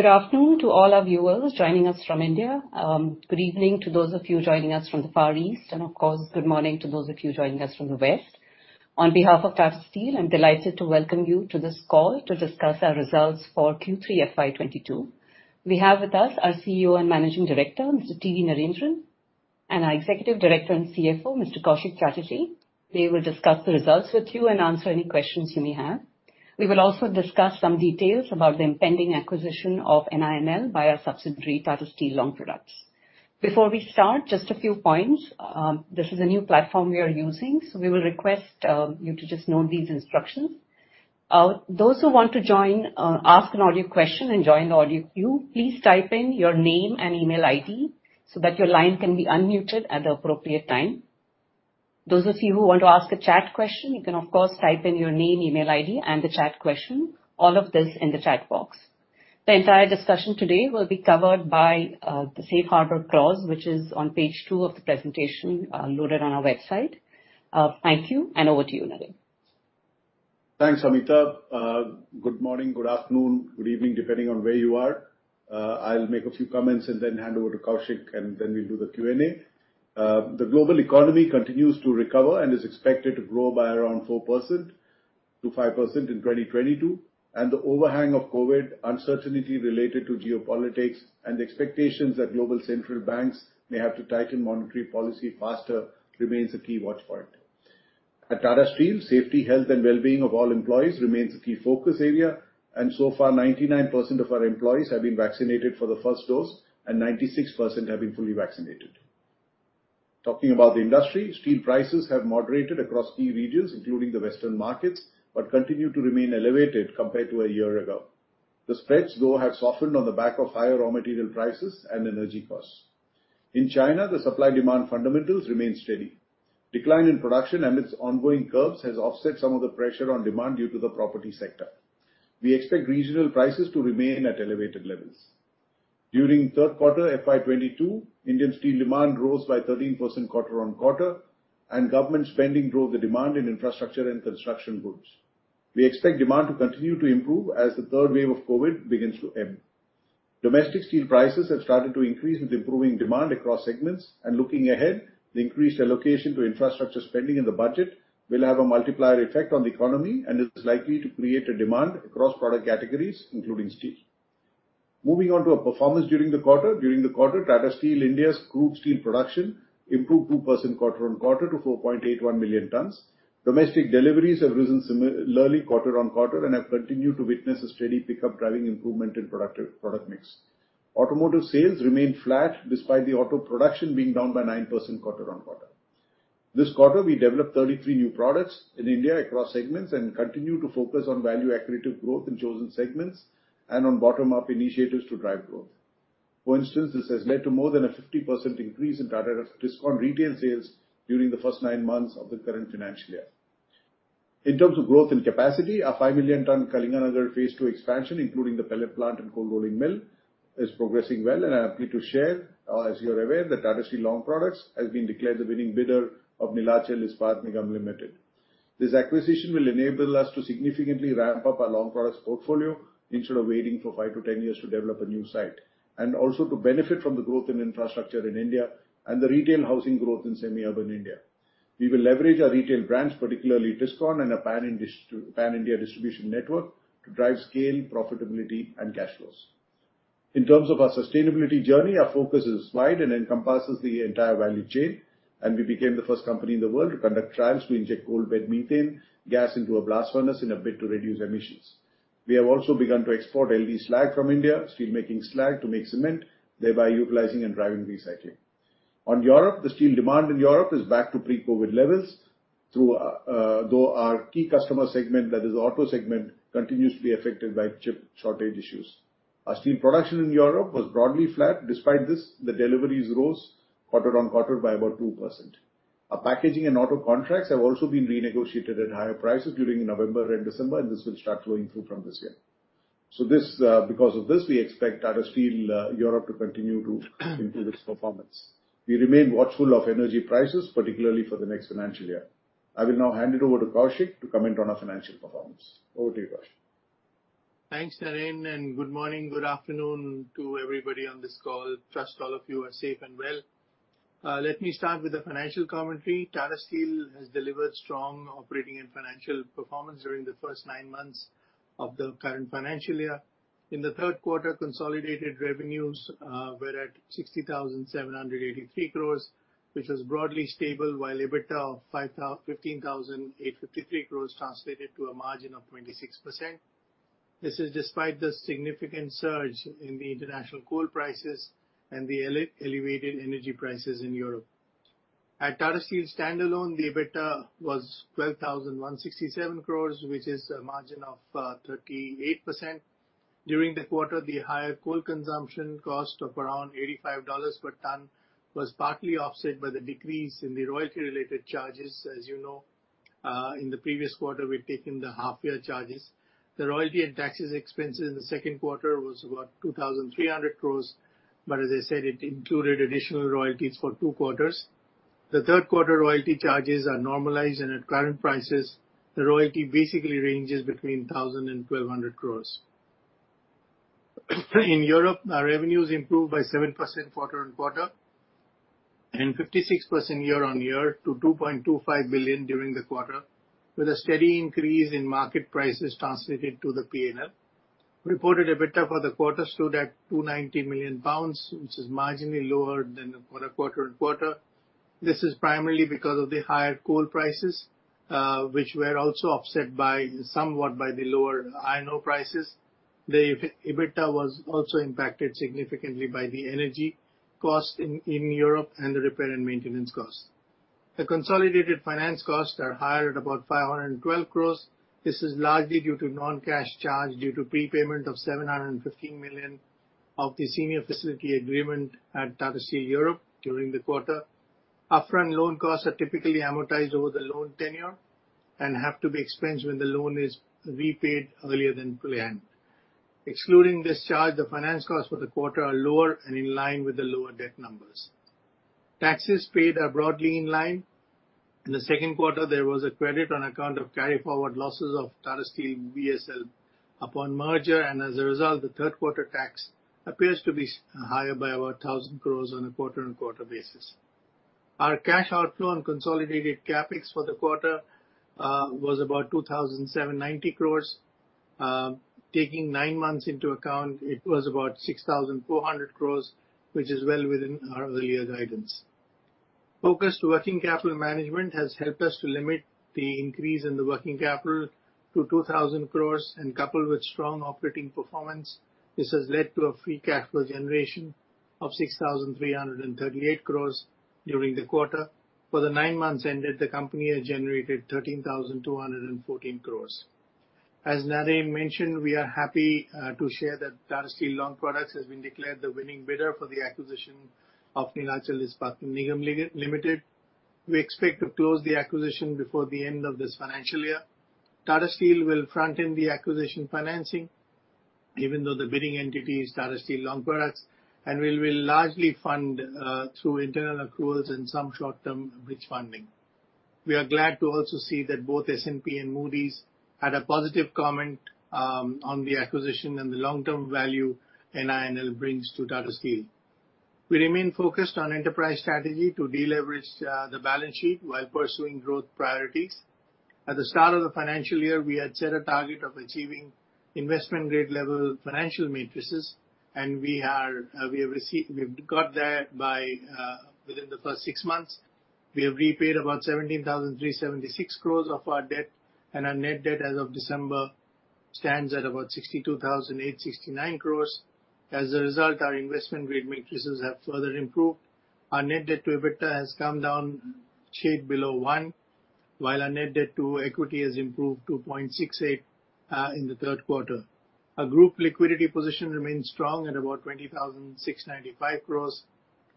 Good afternoon to all our viewers joining us from India. Good evening to those of you joining us from the Far East. Of course, good morning to those of you joining us from the West. On behalf of Tata Steel, I'm delighted to welcome you to this call to discuss our results for Q3 FY 2022. We have with us our CEO and Managing Director, Mr. T V Narendran, and our Executive Director and CFO, Mr. Koushik Chatterjee. They will discuss the results with you and answer any questions you may have. We will also discuss some details about the impending acquisition of NINL by our subsidiary, Tata Steel Long Products. Before we start, just a few points. This is a new platform we are using, so we will request you to just note these instructions. Those who want to join, ask an audio question and join the audio queue, please type in your name and email ID so that your line can be unmuted at the appropriate time. Those of you who want to ask a chat question, you can of course type in your name, email ID and the chat question, all of this in the chat box. The entire discussion today will be covered by the safe harbor clause, which is on page two of the presentation, loaded on our website. Thank you and over to you, Naren. Thanks, Samita. Good morning, good afternoon, good evening, depending on where you are. I'll make a few comments and then hand over to Koushik, and then we'll do the Q&A. The global economy continues to recover and is expected to grow by around 4%-5% in 2022, and the overhang of COVID uncertainty related to geopolitics and the expectations that global central banks may have to tighten monetary policy faster remains a key watch point. At Tata Steel, safety, health and well-being of all employees remains a key focus area. So far, 99% of our employees have been vaccinated for the first dose, and 96% have been fully vaccinated. Talking about the industry, steel prices have moderated across key regions, including the Western markets, but continue to remain elevated compared to a year ago. The spreads, though, have softened on the back of higher raw material prices and energy costs. In China, the supply demand fundamentals remain steady. Decline in production amidst ongoing curbs has offset some of the pressure on demand due to the property sector. We expect regional prices to remain at elevated levels. During third quarter FY 2022, Indian steel demand rose by 13% quarter-on-quarter, and government spending drove the demand in infrastructure and construction goods. We expect demand to continue to improve as the third wave of COVID begins to end. Domestic steel prices have started to increase with improving demand across segments. Looking ahead, the increased allocation to infrastructure spending in the budget will have a multiplier effect on the economy and is likely to create a demand across product categories, including steel. Moving on to our performance during the quarter. During the quarter, Tata Steel India's crude steel production improved 2% quarter-on-quarter to 4.81 million tons. Domestic deliveries have risen similarly quarter-on-quarter and have continued to witness a steady pickup driving improvement in productive product mix. Automotive sales remained flat despite the auto production being down by 9% quarter-on-quarter. This quarter, we developed 33 new products in India across segments and continue to focus on value accretive growth in chosen segments and on bottom-up initiatives to drive growth. For instance, this has led to more than a 50% increase in Tata Tiscon retail sales during the first nine months of the current financial year. In terms of growth and capacity, our 5 million-ton Kalinganagar phase two expansion, including the pellet plant and cold rolling mill, is progressing well. I'm happy to share, as you're aware, that Tata Steel Long Products has been declared the winning bidder of Neelachal Ispat Nigam Limited. This acquisition will enable us to significantly ramp up our long products portfolio instead of waiting for 5-10 years to develop a new site, and also to benefit from the growth in infrastructure in India and the retail housing growth in semi-urban India. We will leverage our retail brands, particularly Tiscon, and a pan-India distribution network to drive scale, profitability and cash flows. In terms of our sustainability journey, our focus is wide and encompasses the entire value chain. We became the first company in the world to conduct trials to inject coalbed methane gas into a blast furnace in a bid to reduce emissions. We have also begun to export LD slag from India, steelmaking slag to make cement, thereby utilizing and driving recycling. On Europe, the steel demand in Europe is back to pre-COVID levels, though our key customer segment, that is the auto segment, continues to be affected by chip shortage issues. Our steel production in Europe was broadly flat. Despite this, the deliveries rose quarter-on-quarter by about 2%. Our packaging and auto contracts have also been renegotiated at higher prices during November and December, and this will start flowing through from this year. This, because of this, we expect Tata Steel Europe to continue to improve its performance. We remain watchful of energy prices, particularly for the next financial year. I will now hand it over to Koushik to comment on our financial performance. Over to you, Koushik. Thanks, Naren, and good morning, good afternoon to everybody on this call. Trust all of you are safe and well. Let me start with the financial commentary. Tata Steel has delivered strong operating and financial performance during the first nine months of the current financial year. In the third quarter, consolidated revenues were at 60,783 crores, which was broadly stable, while EBITDA of 15,853 crores translated to a margin of 26%. This is despite the significant surge in the international coal prices and the elevated energy prices in Europe. At Tata Steel standalone, the EBITDA was 12,167 crores, which is a margin of 38%. During the quarter, the higher coal consumption cost of around $85 per ton was partly offset by the decrease in the royalty-related charges. As you know, in the previous quarter, we've taken the half year charges. The royalty and taxes expenses in the second quarter was about 2,300 crores. As I said, it included additional royalties for two quarters. The third quarter royalty charges are normalized and at current prices, the royalty basically ranges between 1,000-1,200 crores. In Europe, our revenues improved by 7% quarter-on-quarter and 56% year-on-year to 2.25 billion during the quarter, with a steady increase in market prices transmitted to the P&L. Reported EBITDA for the quarter stood at 290 million pounds, which is marginally lower quarter-on-quarter. This is primarily because of the higher coal prices, which were also offset somewhat by the lower iron ore prices. The EBITDA was also impacted significantly by the energy costs in Europe and the repair and maintenance costs. The consolidated finance costs are higher at about 512 crores. This is largely due to non-cash charge due to prepayment of 715 million of the senior facility agreement at Tata Steel Europe during the quarter. Upfront loan costs are typically amortized over the loan tenure and have to be expensed when the loan is repaid earlier than planned. Excluding this charge, the finance costs for the quarter are lower and in line with the lower debt numbers. Taxes paid are broadly in line. In the second quarter, there was a credit on account of carry forward losses of Tata Steel BSL upon merger, and as a result, the third quarter tax appears to be higher by about 1,000 crores on a quarter-on-quarter basis. Our cash outflow on consolidated CapEx for the quarter was about 2,790 crores. Taking nine months into account, it was about 6,400 crores, which is well within our earlier guidance. Focused working capital management has helped us to limit the increase in the working capital to 2,000 crores and coupled with strong operating performance, this has led to a free cash flow generation of 6,338 crores during the quarter. For the nine months ended, the company had generated 13,214 crores. As Naren mentioned, we are happy to share that Tata Steel Long Products has been declared the winning bidder for the acquisition of Neelachal Ispat Nigam Limited. We expect to close the acquisition before the end of this financial year. Tata Steel will front end the acquisition financing, even though the bidding entity is Tata Steel Long Products, and we will largely fund through internal accruals and some short-term bridge funding. We are glad to also see that both S&P and Moody's had a positive comment on the acquisition and the long-term value NINL brings to Tata Steel. We remain focused on enterprise strategy to deleverage the balance sheet while pursuing growth priorities. At the start of the financial year, we had set a target of achieving investment grade level financial metrics, and we have received, we've got that within the first six months. We have repaid about 17,376 crores of our debt, and our net debt as of December stands at about 62,869 crores. As a result, our investment grade metrics have further improved. Our net debt to EBITDA has come down a shade below one, while our net debt to equity has improved to 0.68 in the third quarter. Our group liquidity position remains strong at about 20,695 crores,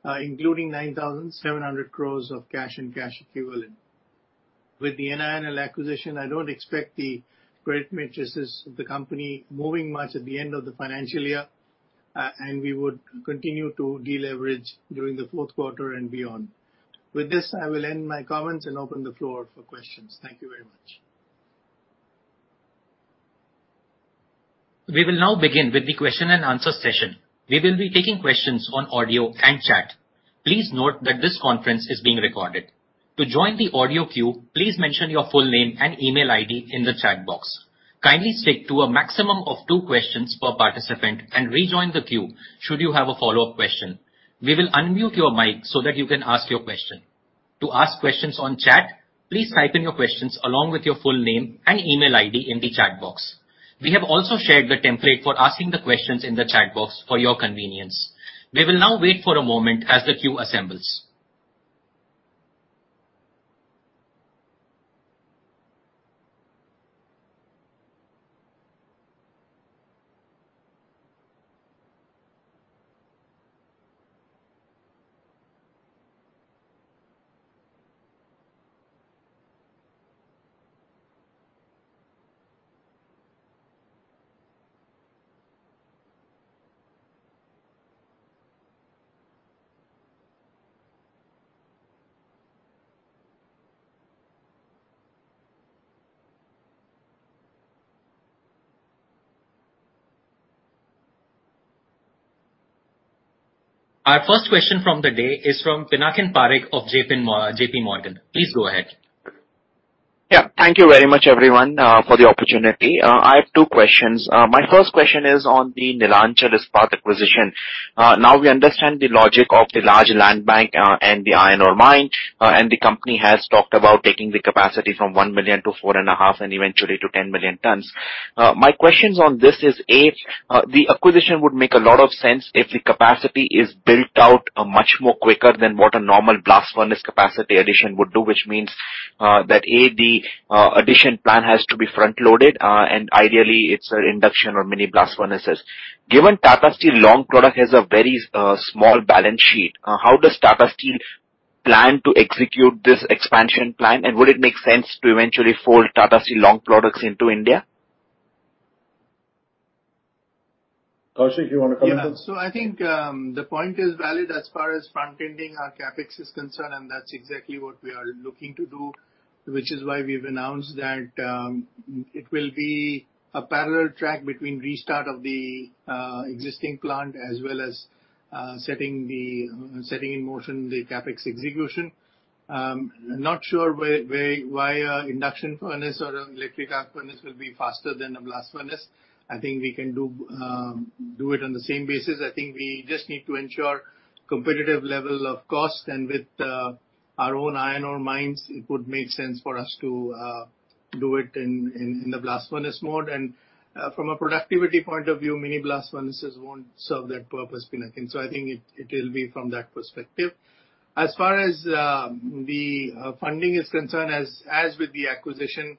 including 9,700 crores of cash and cash equivalents. With the NINL acquisition, I don't expect the credit matrices of the company moving much at the end of the financial year, and we would continue to deleverage during the fourth quarter and beyond. With this, I will end my comments and open the floor for questions. Thank you very much. We will now begin with the question-and-answer session. We will be taking questions on audio and chat. Please note that this conference is being recorded. To join the audio queue, please mention your full name and email ID in the chat box. Kindly stick to a maximum of two questions per participant and rejoin the queue should you have a follow-up question. We will unmute your mic so that you can ask your question. To ask questions on chat, please type in your questions along with your full name and email ID in the chat box. We have also shared the template for asking the questions in the chat box for your convenience. We will now wait for a moment as the queue assembles. Our first question from the day is from Pinakin Parekh of JPMorgan. Please go ahead. Yeah. Thank you very much everyone for the opportunity. I have two questions. My first question is on the Neelachal Ispat acquisition. Now we understand the logic of the large land bank and the iron ore mine, and the company has talked about taking the capacity from 1 million to 4.5 and eventually to 10 million tons. My questions on this is, A, the acquisition would make a lot of sense if the capacity is built out much more quicker than what a normal blast furnace capacity addition would do, which means that, A, the addition plan has to be front-loaded, and ideally it's induction or mini blast furnaces. Given Tata Steel Long Products has a very small balance sheet, how does Tata Steel plan to execute this expansion plan? Would it make sense to eventually fold Tata Steel Long Products into India? Koushik, you want to comment? Yeah. I think the point is valid as far as front-ending our CapEx is concerned, and that's exactly what we are looking to do, which is why we've announced that it will be a parallel track between restart of the existing plant as well as setting in motion the CapEx execution. Not sure why induction furnace or an electric arc furnace will be faster than a blast furnace. I think we can do it on the same basis. I think we just need to ensure competitive level of cost. With our own iron ore mines, it would make sense for us to do it in the blast furnace mode. From a productivity point of view, mini blast furnaces won't serve that purpose, Pinakin. I think it will be from that perspective. As far as the funding is concerned, as with the acquisition,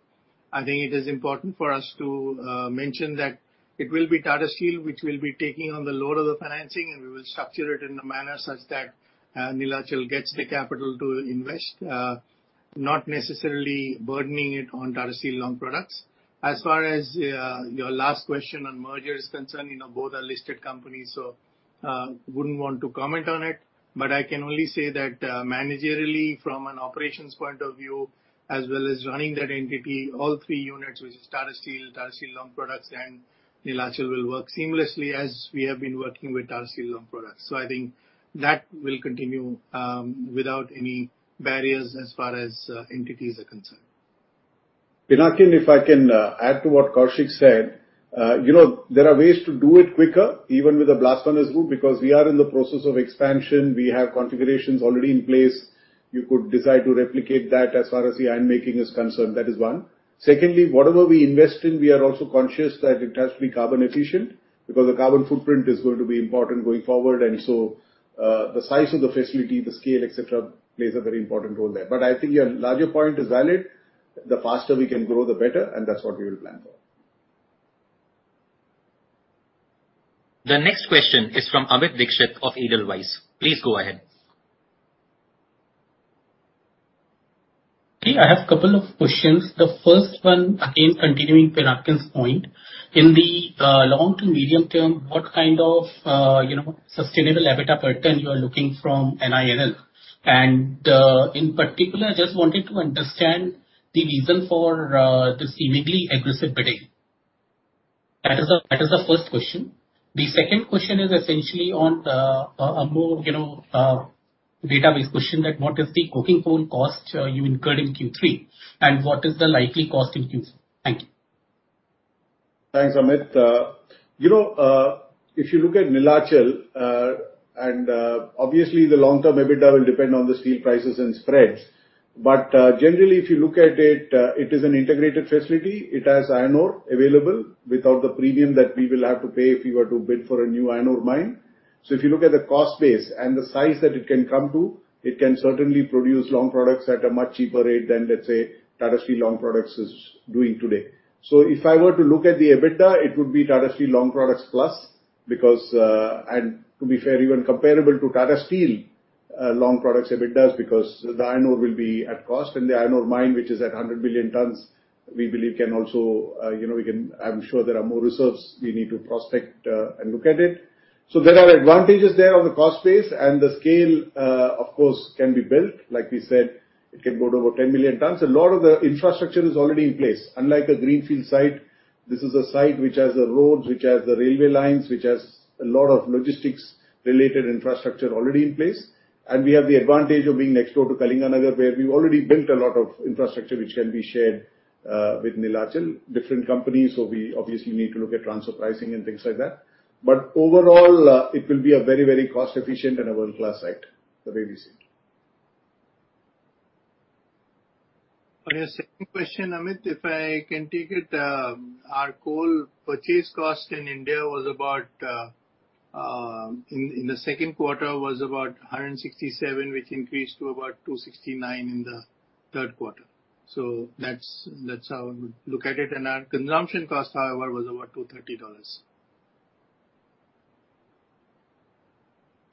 I think it is important for us to mention that it will be Tata Steel which will be taking on the load of the financing, and we will structure it in a manner such that Neelachal gets the capital to invest. Not necessarily burdening it on Tata Steel Long Products. As far as your last question on merger is concerned, you know, both are listed companies, so wouldn't want to comment on it. I can only say that managerially, from an operations point of view, as well as running that entity, all three units, which is Tata Steel, Tata Steel Long Products and Neelachal will work seamlessly as we have been working with Tata Steel Long Products. I think that will continue without any barriers as far as entities are concerned. Pinakin, if I can add to what Koushik said. You know, there are ways to do it quicker, even with a blast furnace route, because we are in the process of expansion. We have configurations already in place. You could decide to replicate that as far as the iron making is concerned. That is one. Secondly, whatever we invest in, we are also conscious that it has to be carbon efficient, because the carbon footprint is going to be important going forward. The size of the facility, the scale, et cetera, plays a very important role there. But I think your larger point is valid. The faster we can grow, the better, and that's what we will plan for. The next question is from Amit Dixit of Edelweiss. Please go ahead. Okay. I have a couple of questions. The first one, again, continuing Pinakin's point. In the long to medium term, what kind of sustainable EBITDA pattern you are looking from NINL? And in particular, I just wanted to understand the reason for this seemingly aggressive bidding. That is the first question. The second question is essentially on a more you know data-based question that what is the coking coal cost you incurred in Q3, and what is the likely cost in Q4? Thank you. Thanks, Amit. You know, if you look at Neelachal, and obviously the long-term EBITDA will depend on the steel prices and spreads. Generally, if you look at it is an integrated facility. It has iron ore available without the premium that we will have to pay if we were to bid for a new iron ore mine. If you look at the cost base and the size that it can come to, it can certainly produce long products at a much cheaper rate than, let's say, Tata Steel Long Products is doing today. If I were to look at the EBITDA, it would be Tata Steel Long Products plus because. To be fair, even comparable to Tata Steel Long Products EBITDAs because the iron ore will be at cost. The iron ore mine, which is at 100 billion tons, we believe can also. I'm sure there are more reserves we need to prospect and look at it. There are advantages there on the cost base. The scale, of course, can be built. Like we said, it can go to over 10 million tons. A lot of the infrastructure is already in place. Unlike a greenfield site, this is a site which has the roads, which has the railway lines, which has a lot of logistics-related infrastructure already in place. We have the advantage of being next door to Kalinganagar, where we've already built a lot of infrastructure which can be shared with Neelachal. Different companies, we obviously need to look at transfer pricing and things like that. Overall, it will be a very, very cost efficient and a world-class site the way we see it. On your second question, Amit, if I can take it. Our coal purchase cost in India was about $167 in the second quarter, which increased to about $269 in the third quarter. So that's how I would look at it. Our consumption cost, however, was about $230.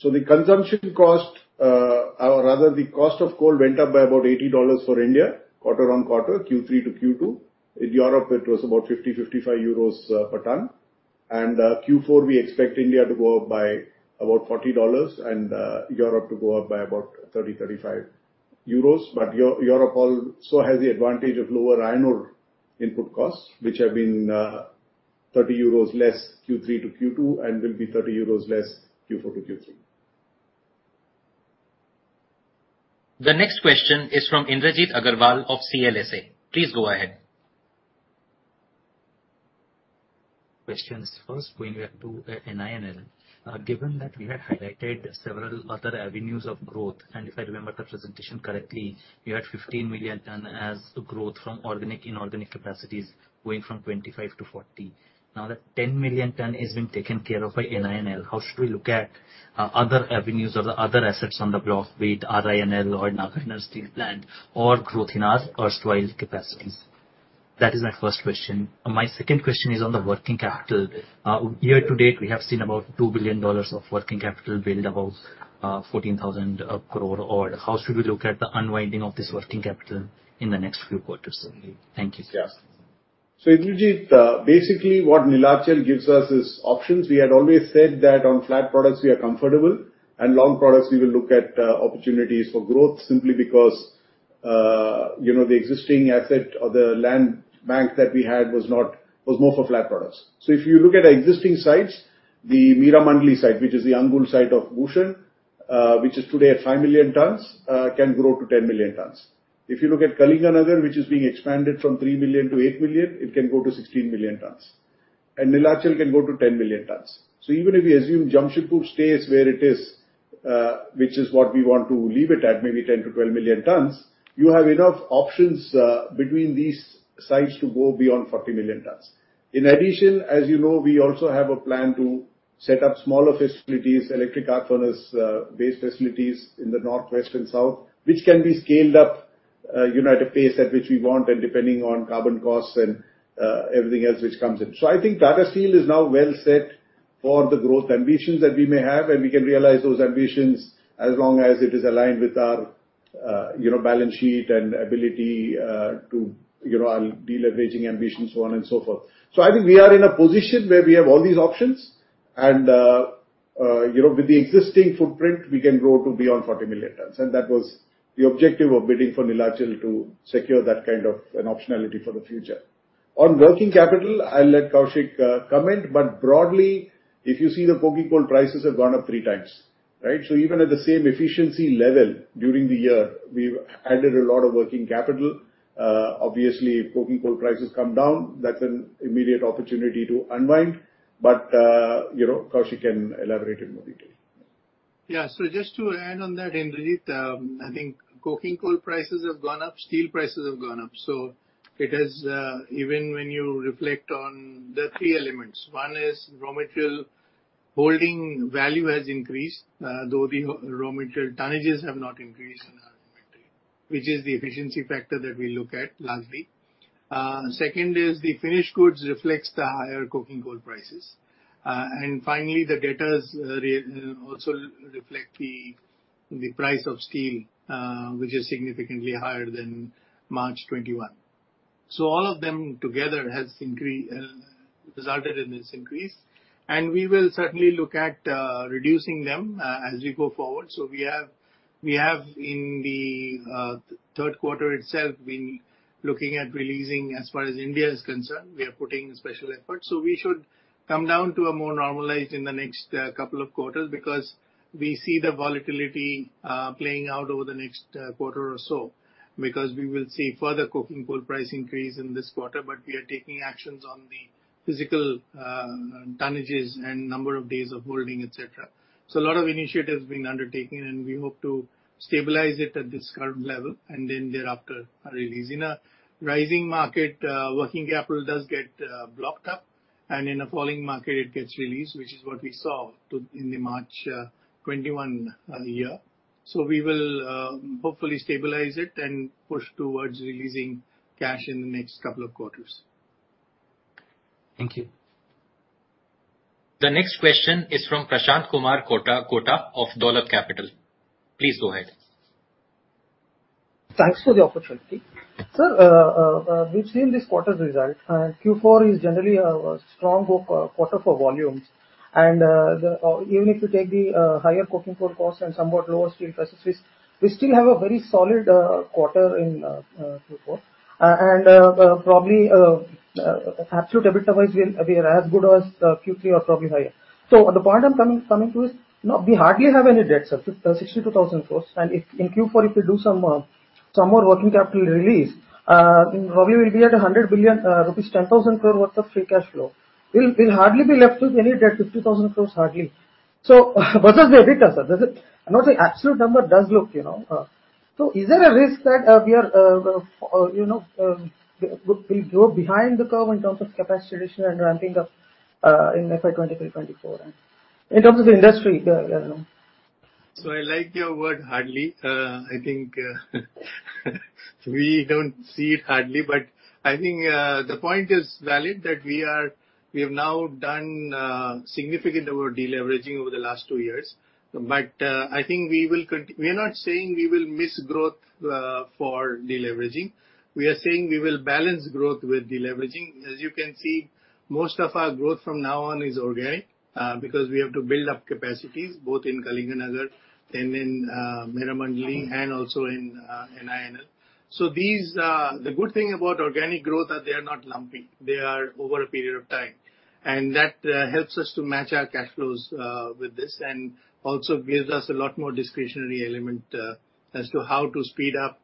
The consumption cost, or rather the cost of coal went up by about $80 for India quarter-over-quarter, Q3 to Q2. In Europe, it was about 50-55 euros per ton. Q4, we expect India to go up by about $40 and Europe to go up by about 30-35 euros. Europe also has the advantage of lower iron ore input costs, which have been 30 euros less Q3 to Q2 and will be 30 euros less Q4 to Q3. The next question is from Indrajit Agarwal of CLSA. Please go ahead. Questions. First, going back to NINL. Given that we have highlighted several other avenues of growth, and if I remember the presentation correctly, you had 15 million ton as the growth from organic-inorganic capacities going from 25 million-40 million ton. Now that 10 million ton is being taken care of by NINL, how should we look at other avenues or the other assets on the block, be it RINL or Nagarnar Steel Plant or growth in our erstwhile capacities? That is my first question. My second question is on the working capital. Year-to-date, we have seen about $2 billion of working capital build, about 14,000 crore. How should we look at the unwinding of this working capital in the next few quarters? Thank you. Indrajit, basically what Neelachal gives us is options. We had always said that on flat products we are comfortable, and long products we will look at opportunities for growth simply because, you know, the existing asset or the land bank that we had was more for flat products. If you look at our existing sites, the Meramandali site, which is the Angul site of Bhushan, which is today at 5 million tons, can grow to 10 million tons. If you look at Kalinganagar, which is being expanded from 3 million-8 million, it can go to 16 million tons. Neelachal can go to 10 million tons. Even if you assume Jamshedpur stays where it is, which is what we want to leave it at, maybe 10 million tons-12 million tons, you have enough options between these sites to go beyond 40 million tons. In addition, as you know, we also have a plan to set up smaller facilities, electric arc furnace based facilities in the north, west and south, which can be scaled up, you know, at a pace at which we want and depending on carbon costs and everything else which comes in. I think Tata Steel is now well set for the growth ambitions that we may have, and we can realize those ambitions as long as it is aligned with our, you know, balance sheet and ability to, you know, our deleveraging ambitions, so on and so forth. I think we are in a position where we have all these options and, you know, with the existing footprint, we can grow to beyond 40 million tons. That was the objective of bidding for Neelachal to secure that kind of an optionality for the future. On working capital, I'll let Kaushik comment, but broadly, if you see the coking coal prices have gone up 3x, right? Even at the same efficiency level during the year, we've added a lot of working capital. Obviously, if coking coal prices come down, that's an immediate opportunity to unwind. You know, Kaushik can elaborate in more detail. Yeah. Just to add on that, Indrajit, I think coking coal prices have gone up, steel prices have gone up. It has, even when you reflect on the three elements. One is raw material holding value has increased, though the raw material tonnages have not increased in our inventory, which is the efficiency factor that we look at, lastly. Second is the finished goods reflects the higher coking coal prices. And finally, the debtors also reflect the price of steel, which is significantly higher than March 2021. All of them together has resulted in this increase. We will certainly look at reducing them as we go forward. We have in the third quarter itself been looking at releasing. As far as India is concerned, we are putting special effort. We should come down to a more normalized in the next couple of quarters because we see the volatility playing out over the next quarter or so. We will see further coking coal price increase in this quarter, but we are taking actions on the physical tonnages and number of days of holding, et cetera. A lot of initiatives being undertaken, and we hope to stabilize it at this current level, and then thereafter release. In a rising market working capital does get blocked up, and in a falling market it gets released, which is what we saw in the March 2021 year. We will hopefully stabilize it and push towards releasing cash in the next couple of quarters. Thank you. The next question is from Prashanth Kumar Kota of Dolat Capital. Please go ahead. Thanks for the opportunity. Sir, we've seen this quarter's result. Q4 is generally a strong quarter for volumes. Even if you take the higher coking coal costs and somewhat lower steel prices, we still have a very solid quarter in Q4. Probably absolute EBITDA wise, we are as good as Q3 or probably higher. The point I'm coming to is, you know, we hardly have any debt, sir. 62,000 crore. If in Q4 you do some more working capital release, probably we'll be at 100 billion rupees, 10,000 crore worth of free cash flow. We'll hardly be left with any debt, 50,000 crore hardly. Versus the EBITDA, sir. Does it? You know, the absolute number does look, you know. Is there a risk that we'll grow behind the curve in terms of capacity addition and ramping up in FY 2023, FY 2024 in terms of the industry, you know? I like your word, hardly. I think we don't see it hardly, but I think the point is valid that we have now done significant over-deleveraging over the last two years. I think we are not saying we will miss growth for deleveraging. We are saying we will balance growth with deleveraging. As you can see, most of our growth from now on is organic because we have to build up capacities both in Kalinganagar and in Meramandali and also in NINL. The good thing about organic growth are they are not lumpy. They are over a period of time. That helps us to match our cash flows with this and also gives us a lot more discretionary element as to how to speed up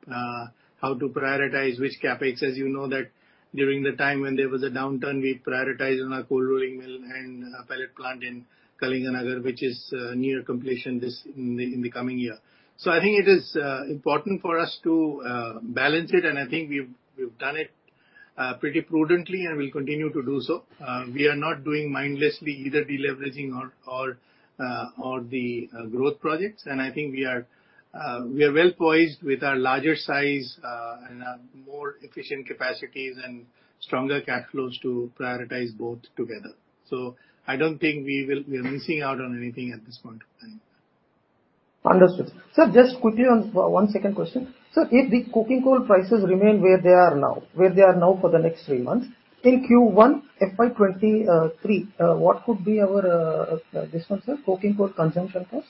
how to prioritize which CapEx. As you know that during the time when there was a downturn, we prioritized on our cold rolling mill and pellet plant in Kalinganagar, which is near completion in the coming year. I think it is important for us to balance it, and I think we've done it pretty prudently and we'll continue to do so. We are not doing mindlessly either deleveraging or the growth projects. I think we are well poised with our larger size and more efficient capacities and stronger cash flows to prioritize both together. I don't think we are missing out on anything at this point of time. Understood. Sir, just quickly on one second question. Sir, if the coking coal prices remain where they are now for the next three months, in Q1 FY 2023, what could be our this one, sir, coking coal consumption cost?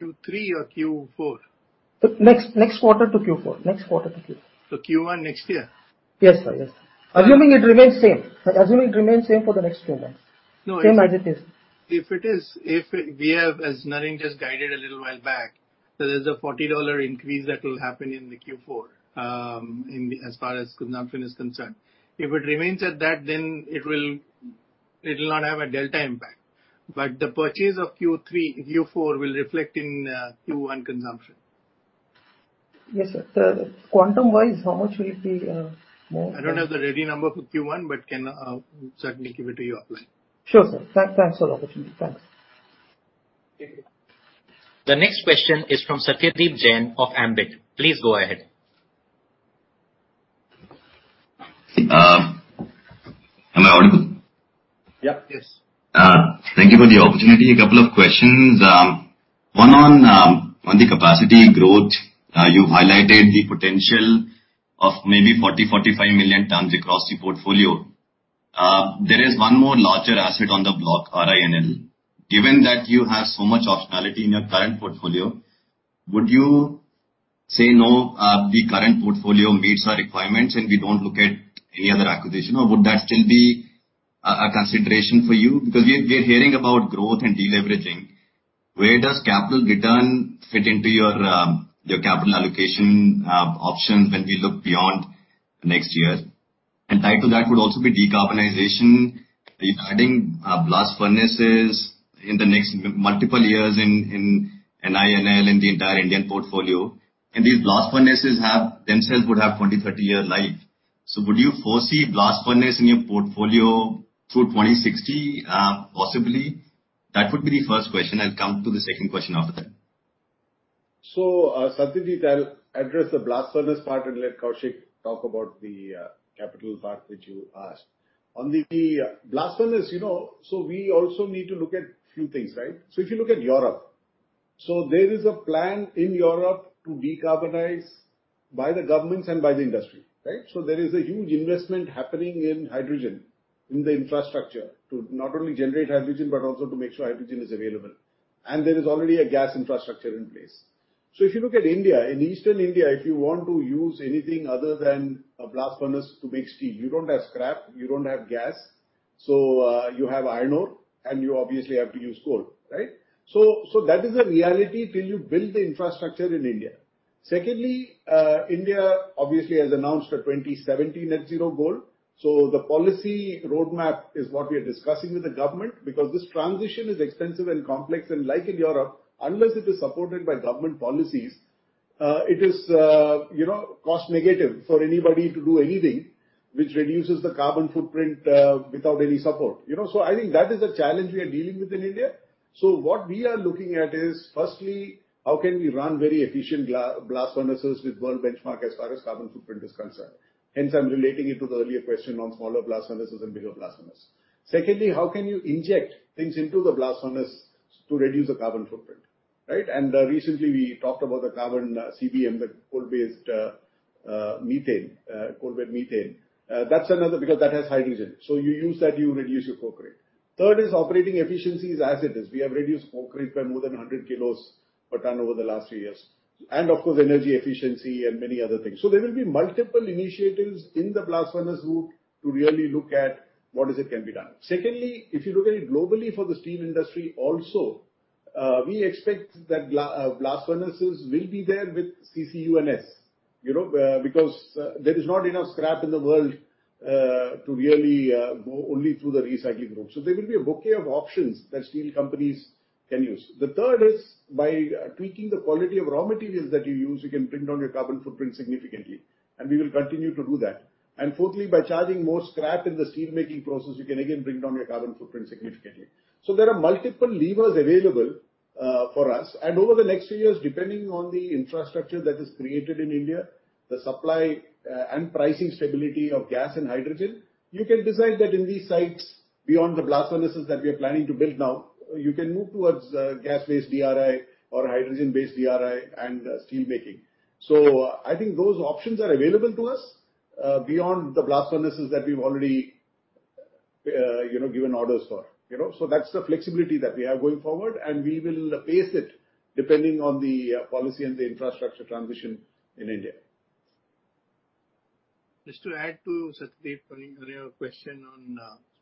Q3 or Q4? Next quarter to Q4. Q1 next year? Yes, sir. Assuming it remains same for the next three months. No. Same as it is. If we have, as Naren just guided a little while back, there is a $40 increase that will happen in Q4 as far as consumption is concerned. If it remains at that, then it will not have a delta impact. The purchase of Q3, Q4 will reflect in Q1 consumption. Yes, sir. The quantum wise, how much will it be, more? I don't have the ready number for Q1, but can certainly give it to you offline. Sure, sir. Thanks a lot. Thanks. The next question is from Satyadeep Jain of Ambit. Please go ahead. Am I audible? Yeah. Yes. Thank you for the opportunity. A couple of questions. One on the capacity growth. You've highlighted the potential of maybe 40 million tons, 45 million tons across the portfolio. There is one more larger asset on the block, RINL. Given that you have so much optionality in your current portfolio, would you say the current portfolio meets our requirements and we don't look at any other acquisition or would that still be a consideration for you? Because we're hearing about growth and deleveraging. Where does capital return fit into your capital allocation options when we look beyond next year? Tied to that would also be decarbonization regarding blast furnaces in the next multiple years in NINL in the entire Indian portfolio. These blast furnaces themselves would have 20-30-year life. Would you foresee blast furnace in your portfolio through 2060, possibly? That would be the first question. I'll come to the second question after that. Satyadeep, I'll address the blast furnace part and let Koushik talk about the capital part which you asked. On the blast furnace, you know, we also need to look at few things, right? If you look at Europe, there is a plan in Europe to decarbonize by the governments and by the industry, right? There is a huge investment happening in hydrogen, in the infrastructure to not only generate hydrogen, but also to make sure hydrogen is available. And there is already a gas infrastructure in place. If you look at India, in Eastern India, if you want to use anything other than a blast furnace to make steel, you don't have scrap, you don't have gas. You have iron ore, and you obviously have to use coal, right? That is a reality till you build the infrastructure in India. Secondly, India obviously has announced a 2070 net zero goal. The policy roadmap is what we are discussing with the government because this transition is expensive and complex. Like in Europe, unless it is supported by government policies, it is, you know, cost negative for anybody to do anything which reduces the carbon footprint, without any support, you know. I think that is a challenge we are dealing with in India. What we are looking at is, firstly, how can we run very efficient blast furnaces with world benchmark as far as carbon footprint is concerned. Hence, I'm relating it to the earlier question on smaller blast furnaces and bigger blast furnace. Secondly, how can you inject things into the blast furnace to reduce the carbon footprint, right? Recently we talked about the coalbed methane. That's another because that has hydrogen. You use that, you reduce your coke rate. Third is operating efficiencies as it is. We have reduced coke rates by more than 100 kilos per ton over the last three years. Of course, energy efficiency and many other things. There will be multiple initiatives in the blast furnace route to really look at what can be done. Secondly, if you look at it globally for the steel industry also, we expect that blast furnaces will be there with CCUS, you know, because there is not enough scrap in the world to really go only through the recycling route. There will be a bouquet of options that steel companies can use. The third is by tweaking the quality of raw materials that you use, you can bring down your carbon footprint significantly, and we will continue to do that. Fourthly, by charging more scrap in the steelmaking process, you can again bring down your carbon footprint significantly. There are multiple levers available, for us. Over the next few years, depending on the infrastructure that is created in India, the supply, and pricing stability of gas and hydrogen, you can decide that in these sites, beyond the blast furnaces that we are planning to build now, you can move towards, gas-based DRI or hydrogen-based DRI and steelmaking. I think those options are available to us, beyond the blast furnaces that we've already, you know, given orders for. You know? That's the flexibility that we have going forward, and we will pace it depending on the policy and the infrastructure transition in India. Just to add to Satyadeep's earlier question on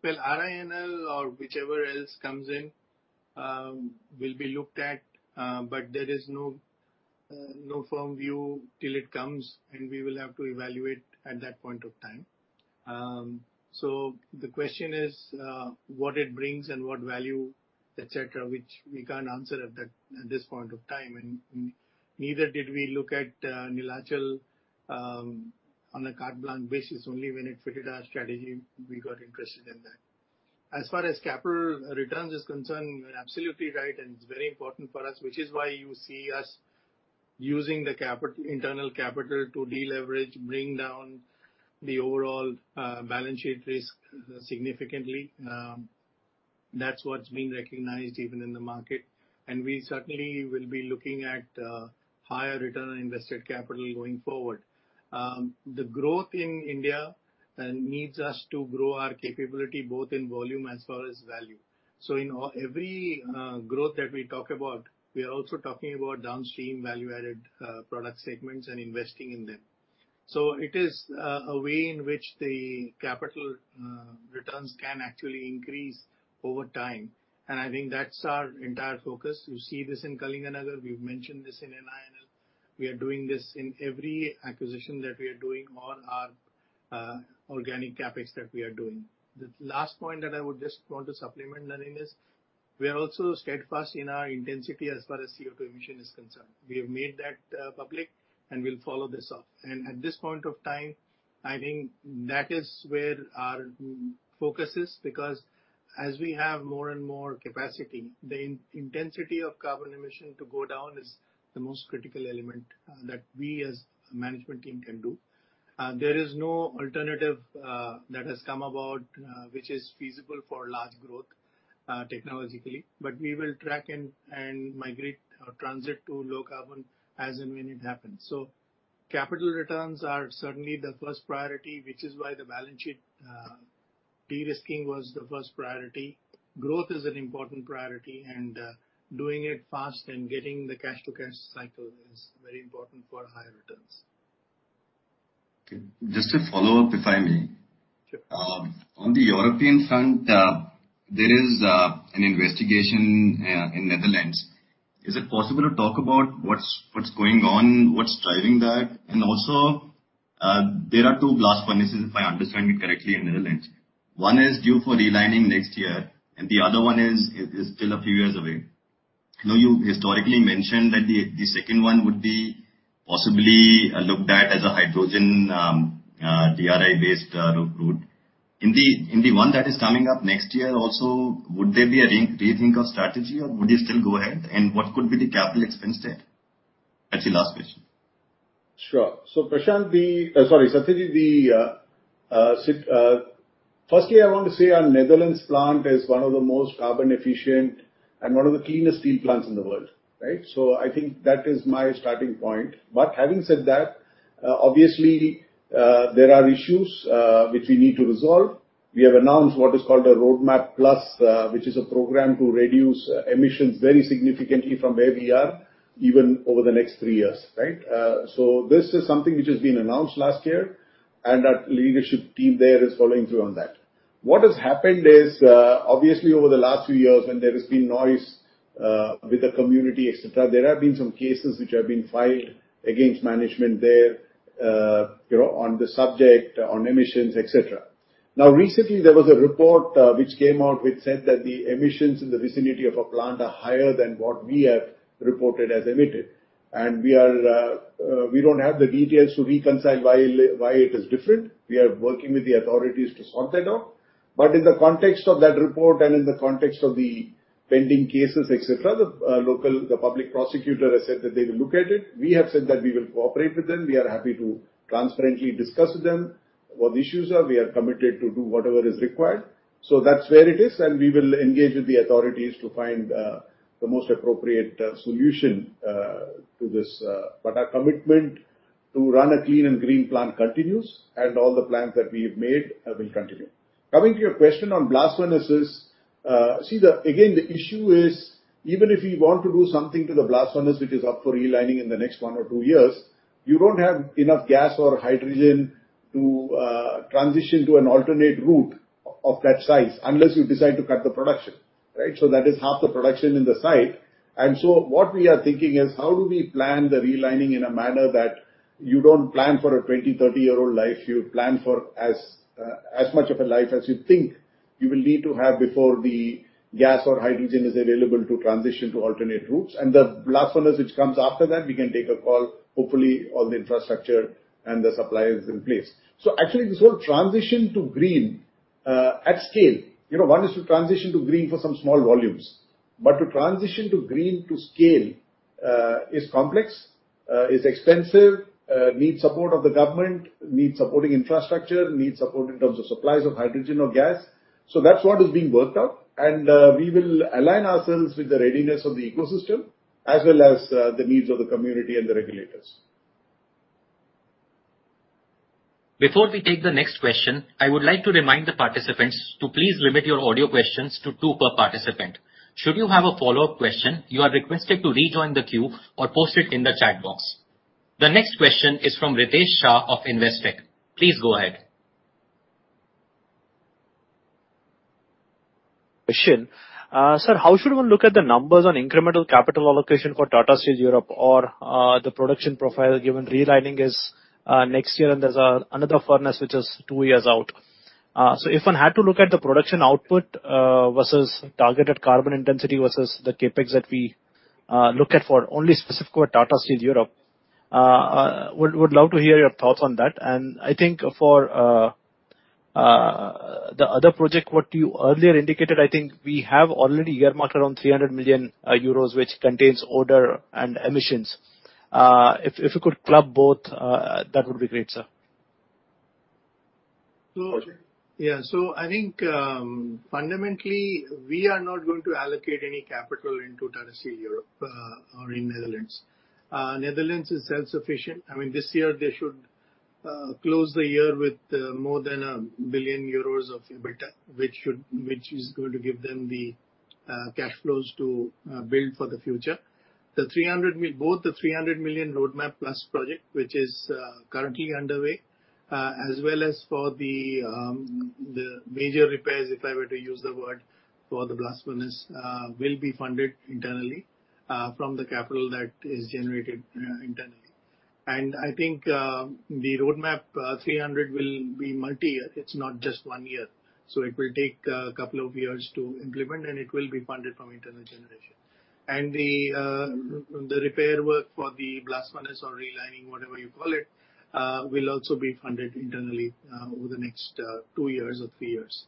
RINL or whichever else comes in, it will be looked at, but there is no firm view till it comes, and we will have to evaluate at that point of time. The question is what it brings and what value, et cetera, which we can't answer at this point of time. Neither did we look at Neelachal on a carte blanche basis. Only when it fitted our strategy, we got interested in that. As far as capital returns is concerned, you're absolutely right, and it's very important for us, which is why you see using the internal capital to deleverage, bring down the overall balance sheet risk significantly. That's what's being recognized even in the market. We certainly will be looking at higher return on invested capital going forward. The growth in India needs us to grow our capability both in volume as well as value. In every growth that we talk about, we are also talking about downstream value-added product segments and investing in them. It is a way in which the capital returns can actually increase over time. I think that's our entire focus. You see this in Kalinganagar. We've mentioned this in NINL. We are doing this in every acquisition that we are doing or our organic CapEx that we are doing. The last point that I would just want to supplement, Naren, is we are also steadfast in our intensity as far as CO2 emission is concerned. We have made that public, and we'll follow this up. At this point of time, I think that is where our focus is because as we have more and more capacity, the intensity of carbon emission to go down is the most critical element that we as a management team can do. There is no alternative that has come about which is feasible for large growth technologically. We will track and migrate or transit to low carbon as and when it happens. Capital returns are certainly the first priority, which is why the balance sheet de-risking was the first priority. Growth is an important priority, and doing it fast and getting the cash to cash cycle is very important for high returns. Okay, just a follow-up, if I may. Sure. On the European front, there is an investigation in Netherlands. Is it possible to talk about what's going on, what's driving that? Also, there are two blast furnaces, if I understand it correctly, in Netherlands. One is due for relining next year, and the other one is still a few years away. I know you historically mentioned that the second one would be possibly looked at as a hydrogen DRI-based route. In the one that is coming up next year also, would there be a rethink of strategy or would you still go ahead? And what could be the capital expense there? That's the last question. Sure. Sorry, Satyadeep. Firstly, I want to say our Netherlands plant is one of the most carbon efficient and one of the cleanest steel plants in the world, right? I think that is my starting point. Having said that, obviously, there are issues which we need to resolve. We have announced what is called a Roadmap Plus, which is a program to reduce emissions very significantly from where we are even over the next three years, right? This is something which has been announced last year, and our leadership team there is following through on that. What has happened is, obviously over the last few years when there has been noise with the community, et cetera, there have been some cases which have been filed against management there, you know, on the subject, on emissions, et cetera. Now, recently there was a report which came out which said that the emissions in the vicinity of our plant are higher than what we have reported as emitted. We don't have the details to reconcile why it is different. We are working with the authorities to sort that out. In the context of that report and in the context of the pending cases, et cetera, the local public prosecutor has said that they will look at it. We have said that we will cooperate with them. We are happy to transparently discuss with them what the issues are. We are committed to do whatever is required. That's where it is, and we will engage with the authorities to find the most appropriate solution to this. Our commitment to run a clean and green plant continues, and all the plans that we have made will continue. Coming to your question on blast furnaces. Again, the issue is, even if you want to do something to the blast furnace which is up for relining in the next one or two years, you don't have enough gas or hydrogen to transition to an alternate route of that size unless you decide to cut the production, right? That is half the production in the site. What we are thinking is how do we plan the relining in a manner that you don't plan for a 20-30-year-old life, you plan for as much of a life as you think you will need to have before the gas or hydrogen is available to transition to alternate routes. The blast furnace which comes after that, we can take a call. Hopefully, all the infrastructure and the supply is in place. Actually this whole transition to green at scale. You know, one is to transition to green for some small volumes. To transition to green at scale is complex, is expensive, needs support of the government, needs supporting infrastructure, needs support in terms of supplies of hydrogen or gas. That's what is being worked out. We will align ourselves with the readiness of the ecosystem as well as the needs of the community and the regulators. Before we take the next question, I would like to remind the participants to please limit your audio questions to two per participant. Should you have a follow-up question, you are requested to rejoin the queue or post it in the chat box. The next question is from Ritesh Shah of Investec. Please go ahead. Sir, how should one look at the numbers on incremental capital allocation for Tata Steel Europe or the production profile given relining is next year and there's another furnace which is two years out? If one had to look at the production output versus targeted carbon intensity versus the CapEx that we look at for only specific for Tata Steel Europe, would love to hear your thoughts on that. I think for the other project what you earlier indicated, I think we have already earmarked around 300 million euros, which contains order and emissions. If you could club both, that would be great, sir. Yeah. I think, fundamentally, we are not going to allocate any capital into Tata Steel Europe, or in Netherlands. Netherlands is self-sufficient. I mean, this year they should close the year with more than 1 billion euros of EBITDA, which is going to give them the cash flows to build for the future. Both the 300 million Roadmap Plus project, which is currently underway, as well as for the major repairs, if I were to use the word, for the blast furnace, will be funded internally from the capital that is generated internally. I think the Roadmap 300 million will be multi-year. It is not just one year. It will take a couple of years to implement, and it will be funded from internal generation. The repair work for the blast furnace or relining, whatever you call it, will also be funded internally over the next 2 years or 3 years.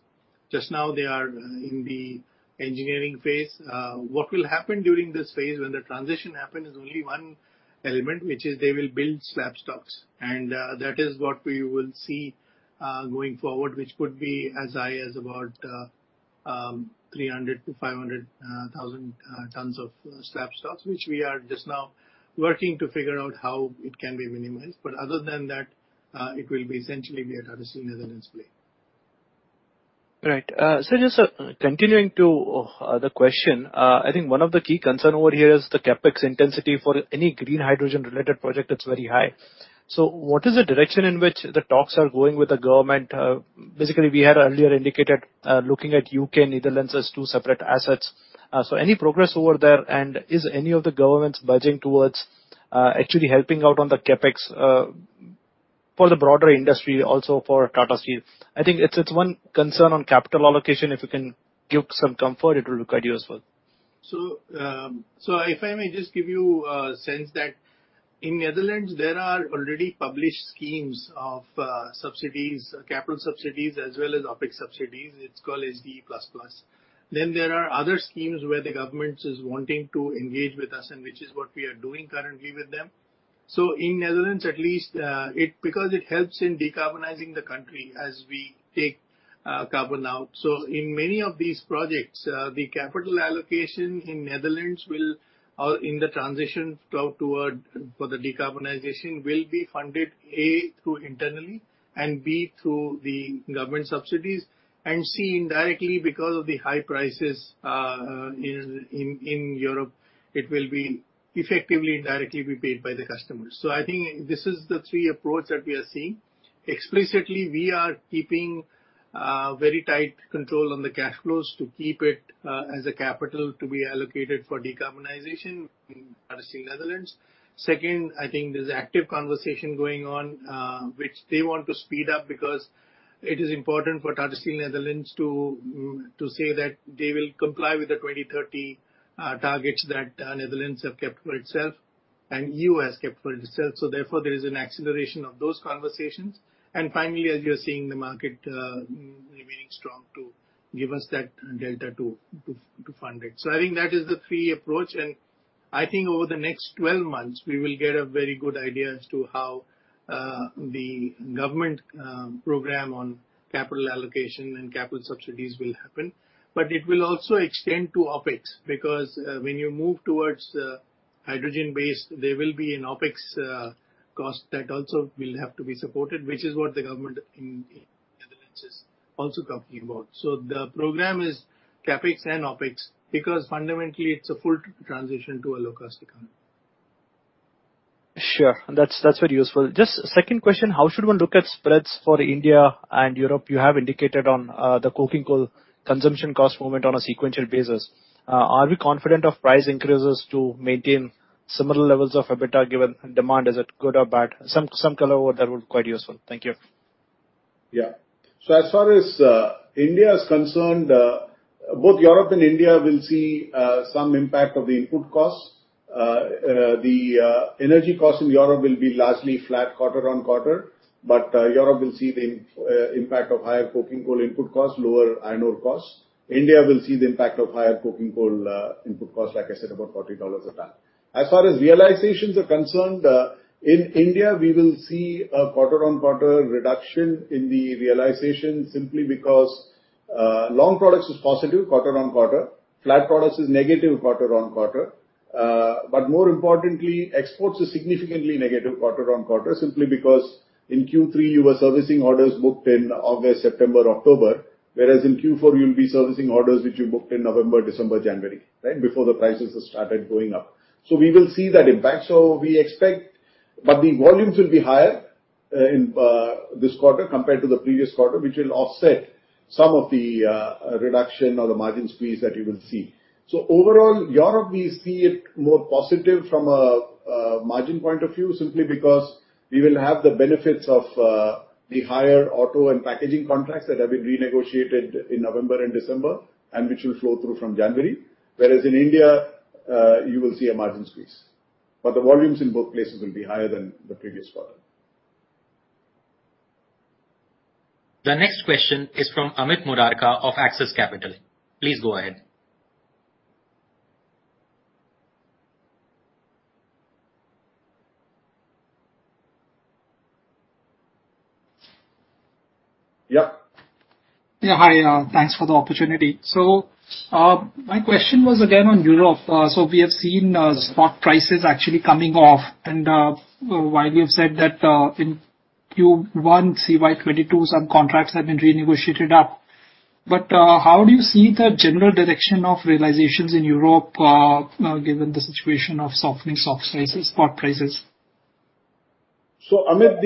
Just now, they are in the engineering phase. What will happen during this phase when the transition happens is only one element, which is they will build slab stocks. That is what we will see going forward, which could be as high as about 300,000 tons-500,000 tons of slab stocks, which we are just now working to figure out how it can be minimized. Other than that, it will essentially be a Tata Steel Netherlands play. Right. Just continuing to the question. I think one of the key concern over here is the CapEx intensity. For any green hydrogen related project, it's very high. What is the direction in which the talks are going with the government? Basically we had earlier indicated, looking at U.K. and Netherlands as two separate assets. Any progress over there? Is any of the governments budging towards actually helping out on the CapEx for the broader industry, also for Tata Steel? I think it's one concern on capital allocation. If you can give some comfort, it will look at you as well. If I may just give you a sense that in Netherlands there are already published schemes of subsidies, capital subsidies as well as OpEx subsidies. It's called SDE++. Then there are other schemes where the government is wanting to engage with us and which is what we are doing currently with them. In Netherlands at least, because it helps in decarbonizing the country as we take carbon out. In many of these projects, the capital allocation in Netherlands in the transition flow toward for the decarbonization will be funded, A, through internally, and B, through the government subsidies, and C, indirectly, because of the high prices in Europe, it will be effectively indirectly be paid by the customers. I think this is the three approach that we are seeing. Explicitly, we are keeping very tight control on the cash flows to keep it as a capital to be allocated for decarbonization in Tata Steel Netherlands. Second, I think there's active conversation going on which they want to speed up because it is important for Tata Steel Netherlands to say that they will comply with the 2030 targets that Netherlands have kept for itself and EU has kept for itself. Therefore, there is an acceleration of those conversations. Finally, as you're seeing the market remaining strong to give us that delta to fund it. I think that is the three approach. I think over the next 12 months we will get a very good idea as to how the government program on capital allocation and capital subsidies will happen. It will also extend to OpEx, because when you move towards hydrogen-based, there will be an OpEx cost that also will have to be supported, which is what the government in Netherlands is also talking about. The program is CapEx and OpEx, because fundamentally it's a full transition to a low-carbon economy. Sure. That's very useful. Just second question, how should one look at spreads for India and Europe? You have indicated on the coking coal consumption cost movement on a sequential basis. Are we confident of price increases to maintain similar levels of EBITDA given demand? Is it good or bad? Some color over that would be quite useful. Thank you. Yeah. As far as India is concerned, both Europe and India will see some impact of the input costs. The energy cost in Europe will be largely flat quarter-on-quarter, but Europe will see the impact of higher coking coal input costs, lower iron ore costs. India will see the impact of higher coking coal input costs, like I said, about $40 a ton. As far as realizations are concerned, in India, we will see a quarter-on-quarter reduction in the realization simply because long products is positive quarter-on-quarter, flat products is negative quarter-on-quarter. More importantly, exports is significantly negative quarter on quarter, simply because in Q3 you were servicing orders booked in August, September, October, whereas in Q4 you'll be servicing orders which you booked in November, December, January, right? Before the prices have started going up. We will see that impact. We expect the volumes will be higher in this quarter compared to the previous quarter, which will offset some of the reduction or the margin squeeze that you will see. Overall, Europe we see it more positive from a margin point of view simply because we will have the benefits of the higher auto and packaging contracts that have been renegotiated in November and December and which will flow through from January. Whereas in India, you will see a margin squeeze. But the volumes in both places will be higher than the previous quarter. The next question is from Amit Murarka of Axis Capital. Please go ahead. Yep. Yeah, hi. Thanks for the opportunity. My question was again on Europe. We have seen spot prices actually coming off and while you've said that in Q1 CY 2022 some contracts have been renegotiated up. How do you see the general direction of realizations in Europe, you know, given the situation of softening spot prices? Amit,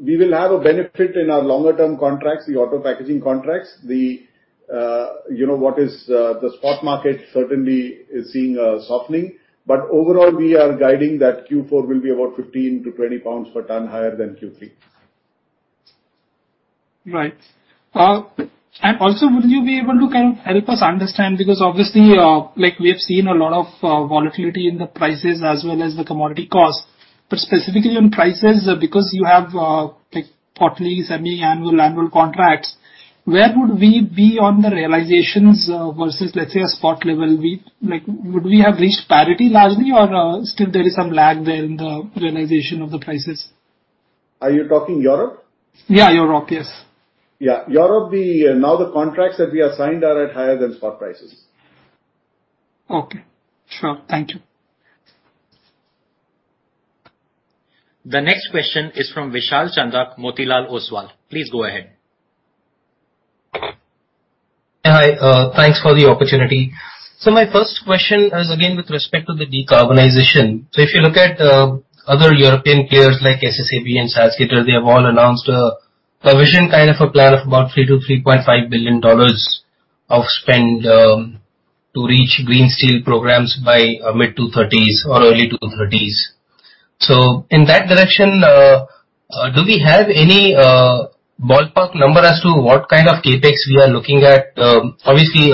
we will have a benefit in our longer term contracts, the auto packaging contracts. You know, the spot market certainly is seeing a softening. Overall, we are guiding that Q4 will be about 15 pounds-GBP20 per ton higher than Q3. Right. And also would you be able to kind of help us understand, because obviously, like we have seen a lot of volatility in the prices as well as the commodity costs, but specifically on prices, because you have, like quarterly, semi-annual, annual contracts, where would we be on the realizations versus let's say a spot level? Like, would we have reached parity largely or still there is some lag there in the realization of the prices? Are you talking Europe? Yeah, Europe. Yes. Yeah. Europe, now the contracts that we have signed are at higher than spot prices. Okay. Sure. Thank you. The next question is from Vishal Chandak, Motilal Oswal. Please go ahead. Hi, thanks for the opportunity. My first question is again with respect to the decarbonization. If you look at other European players like SSAB and Salzgitter, they have all announced a vision, kind of a plan of about $3 billion-$3.5 billion of spend to reach green steel programs by mid-2030s or early 2030s. In that direction, do we have any ballpark number as to what kind of CapEx we are looking at? Obviously,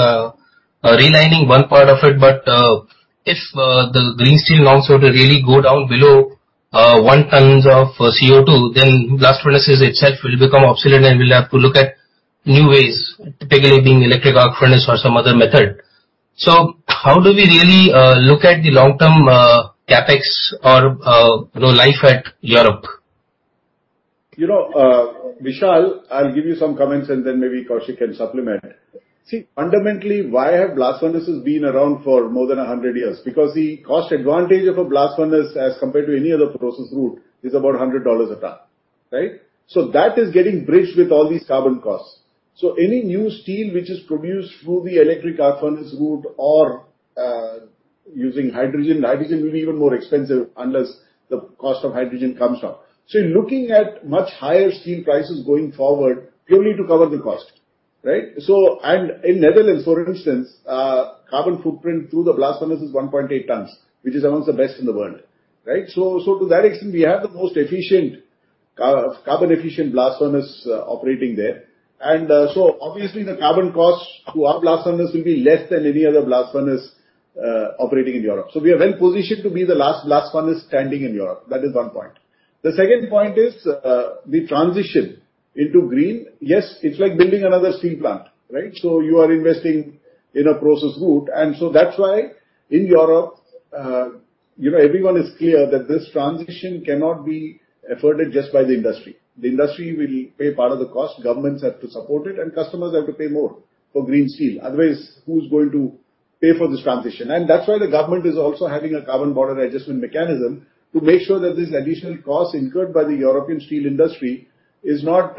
relining one part of it, but if the green steel wants to really go down below 1 ton of CO2, then blast furnaces itself will become obsolete, and we'll have to look at new ways, typically being electric arc furnace or some other method. How do we really look at the long-term CapEx or, you know, like in Europe? You know, Vishal, I'll give you some comments and then maybe Kaushik can supplement. See, fundamentally, why have blast furnaces been around for more than 100 years? Because the cost advantage of a blast furnace as compared to any other process route is about $100 a ton, right? That is getting bridged with all these carbon costs. Any new steel which is produced through the electric arc furnace route or using hydrogen will be even more expensive unless the cost of hydrogen comes down. You're looking at much higher steel prices going forward purely to cover the cost, right? In the Netherlands, for instance, carbon footprint through the blast furnace is 1.8 tons, which is among the best in the world, right? To that extent, we have the most efficient carbon-efficient blast furnace operating there. Obviously the carbon cost to our blast furnace will be less than any other blast furnace operating in Europe. We are well-positioned to be the last blast furnace standing in Europe. That is one point. The second point is the transition into green. Yes, it's like building another steel plant, right? You are investing in a process route. That's why in Europe, you know, everyone is clear that this transition cannot be afforded just by the industry. The industry will pay part of the cost. Governments have to support it and customers have to pay more for green steel. Otherwise, who's going to pay for this transition? That's why the government is also having a Carbon Border Adjustment Mechanism to make sure that this additional cost incurred by the European steel industry is not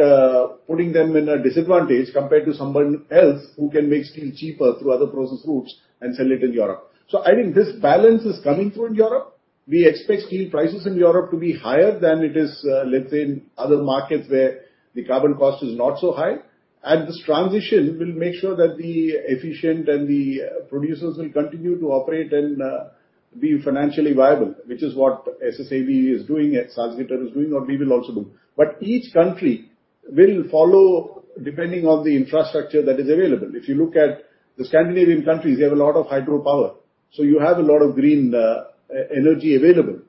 putting them in a disadvantage compared to someone else who can make steel cheaper through other process routes and sell it in Europe. I think this balance is coming through in Europe. We expect steel prices in Europe to be higher than it is, let's say in other markets where the carbon cost is not so high. This transition will make sure that the efficient and the producers will continue to operate and be financially viable, which is what SSAB is doing and Salzgitter is doing and we will also do. Each country will follow depending on the infrastructure that is available. If you look at the Scandinavian countries, they have a lot of hydropower. You have a lot of green energy available,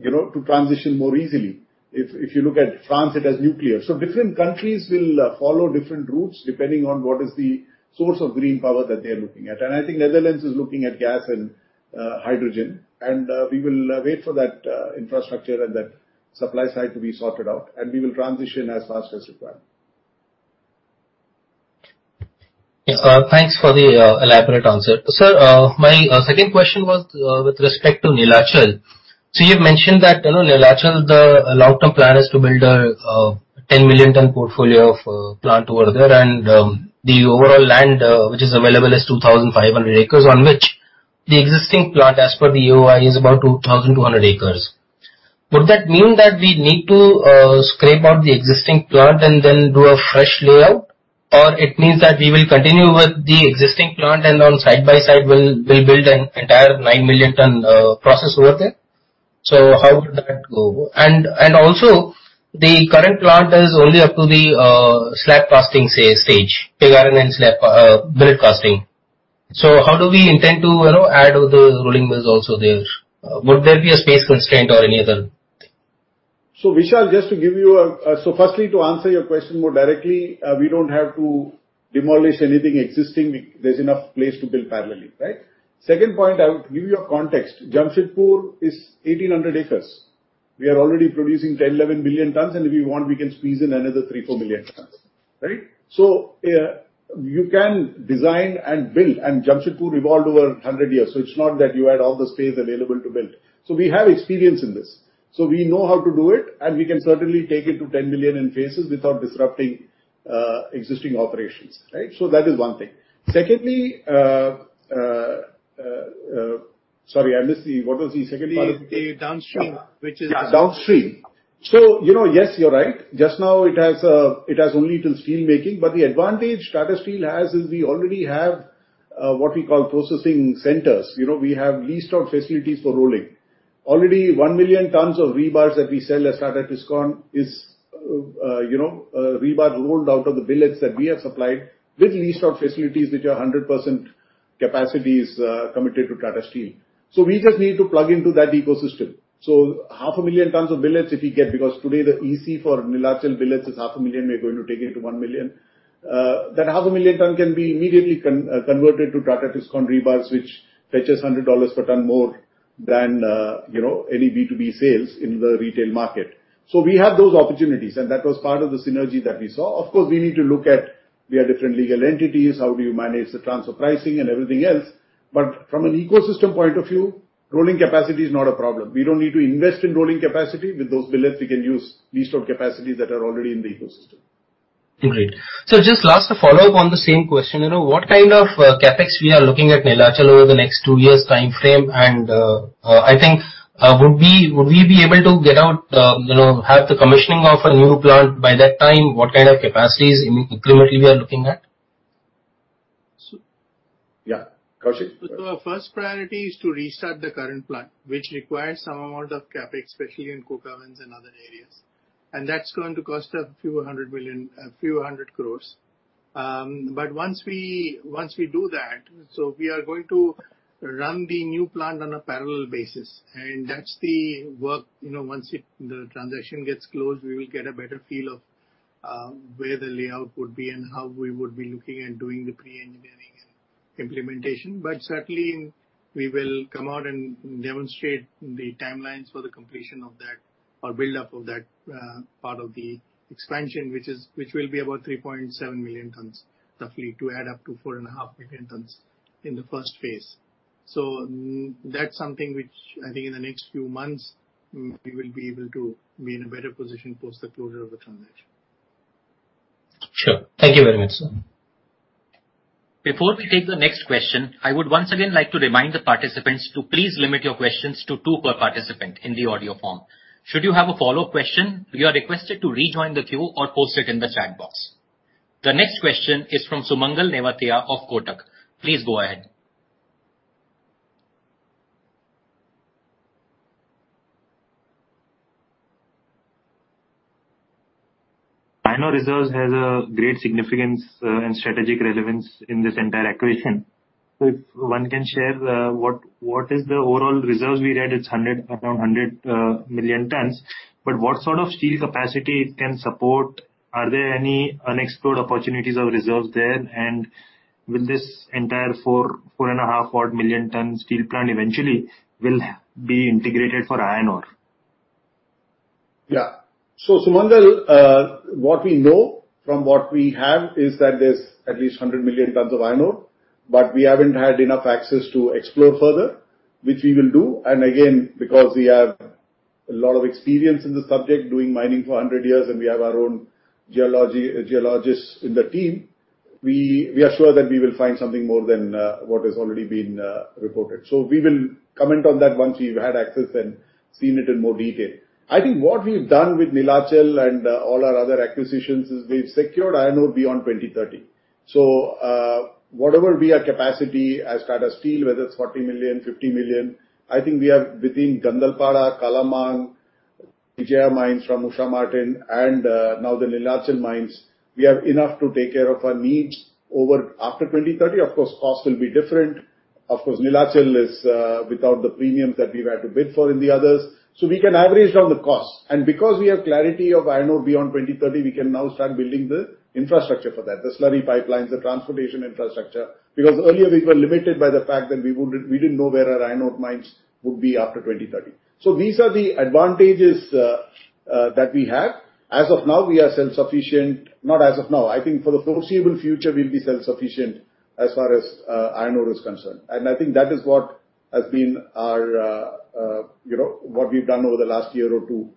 you know, to transition more easily. If you look at France, it has nuclear. Different countries will follow different routes depending on what is the source of green power that they are looking at. I think Netherlands is looking at gas and hydrogen, and we will wait for that infrastructure and that supply side to be sorted out, and we will transition as fast as required. Yes. Thanks for the elaborate answer. Sir, my second question was with respect to Neelachal. You've mentioned that, you know, Neelachal, the long-term plan is to build a 10 million ton portfolio of plant over there and the overall land which is available is 2,500 acres on which the existing plant as per the EOI is about 2,200 acres. Would that mean that we need to scrape out the existing plant and then do a fresh layout? Or it means that we will continue with the existing plant and side by side we'll build an entire 9 million ton process over there? How would that go? And also the current plant is only up to the slab casting stage, pig iron and slab billet casting. How do we intend to, you know, add all the rolling mills also there? Would there be a space constraint or any other thing? Vishal, just to give you a so, firstly, to answer your question more directly, we don't have to demolish anything existing. There's enough place to build parallelly, right? Second point, I would give you a context. Jamshedpur is 1,800 acres. We are already producing 10 million-11 million tons, and if we want, we can squeeze in another 3 million-4 million tons, right? You can design and build. Jamshedpur evolved over 100 years, so it's not that you had all the space available to build. We have experience in this. We know how to do it, and we can certainly take it to 10 million in phases without disrupting existing operations, right? That is one thing. Secondly, sorry, I missed the. What was the second part? The downstream. Yeah, downstream. You know, yes, you're right. Just now it has only till steel making. The advantage Tata Steel has is we already have what we call processing centers. You know, we have leased out facilities for rolling. Already 1 million tons of rebars that we sell as Tata Tiscon is, you know, rebar rolled out of the billets that we have supplied with leased out facilities which are 100% capacity is committed to Tata Steel. We just need to plug into that ecosystem. Half a million tons of billets if we get, because today the EC for Neelachal billets is half a million, we're going to take it to 1 million. That half a million ton can be immediately converted to Tata Tiscon rebars, which fetches $100 per ton more than, you know, any B2B sales in the retail market. We have those opportunities, and that was part of the synergy that we saw. Of course, we need to look at their different legal entities, how do you manage the transfer pricing and everything else. From an ecosystem point of view, rolling capacity is not a problem. We don't need to invest in rolling capacity. With those billets, we can use leased out capacities that are already in the ecosystem. Great. Just last, a follow-up on the same question. You know, what kind of CapEx we are looking at Neelachal over the next two years timeframe? I think, would we be able to get out, you know, have the commissioning of a new plant by that time? What kind of capacities incrementally we are looking at? Yeah. Koushik. Our first priority is to restart the current plant, which requires some amount of CapEx, especially in coke ovens and other areas. That's going to cost a few hundred million INR, a few hundred crore INR. Once we do that, we are going to run the new plant on a parallel basis, and that's the work. You know, once the transaction gets closed, we will get a better feel of where the layout would be and how we would be looking at doing the pre-engineering and implementation. Certainly, we will come out and demonstrate the timelines for the completion of that or build up of that part of the expansion, which will be about 3.7 million tons, roughly, to add up to 4.5 million tons in the first phase. That's something which I think in the next few months, we will be able to be in a better position post the closure of the transaction. Sure. Thank you very much, sir. Before we take the next question, I would once again like to remind the participants to please limit your questions to two per participant in the audio form. Should you have a follow-up question, you are requested to rejoin the queue or post it in the chat box. The next question is from Sumangal Nevatia of Kotak. Please go ahead. Iron ore reserves has a great significance and strategic relevance in this entire acquisition. If one can share, what is the overall reserves we read it's around 100 million tons, but what sort of steel capacity it can support? Are there any unexplored opportunities or reserves there? Will this entire 4.5-odd million-ton steel plant eventually will be integrated for iron ore? Yeah. Sumangal, what we know from what we have is that there's at least 100 million tons of iron ore, but we haven't had enough access to explore further, which we will do. Because we have a lot of experience in this subject, doing mining for 100 years, and we have our own geology, geologists in the team, we are sure that we will find something more than what has already been reported. We will comment on that once we've had access and seen it in more detail. I think what we've done with Neelachal and all our other acquisitions is we've secured iron ore beyond 2030. Whatever we have capacity as Tata Steel, whether it's 40 million, 50 million, I think we have between Gandalpada, Kalamang, Vijay mines from Usha Martin and now the Neelachal mines, we have enough to take care of our needs after 2030. Of course, cost will be different. Of course, Neelachal is without the premiums that we've had to bid for in the others. We can average down the cost. Because we have clarity of iron ore beyond 2030, we can now start building the infrastructure for that, the slurry pipelines, the transportation infrastructure. Because earlier we were limited by the fact that we wouldn't, we didn't know where our iron ore mines would be after 2030. These are the advantages that we have. As of now, we are self-sufficient. Not as of now. I think for the foreseeable future, we'll be self-sufficient as far as iron ore is concerned. I think that is what has been our, you know, what we've done over the last year or two,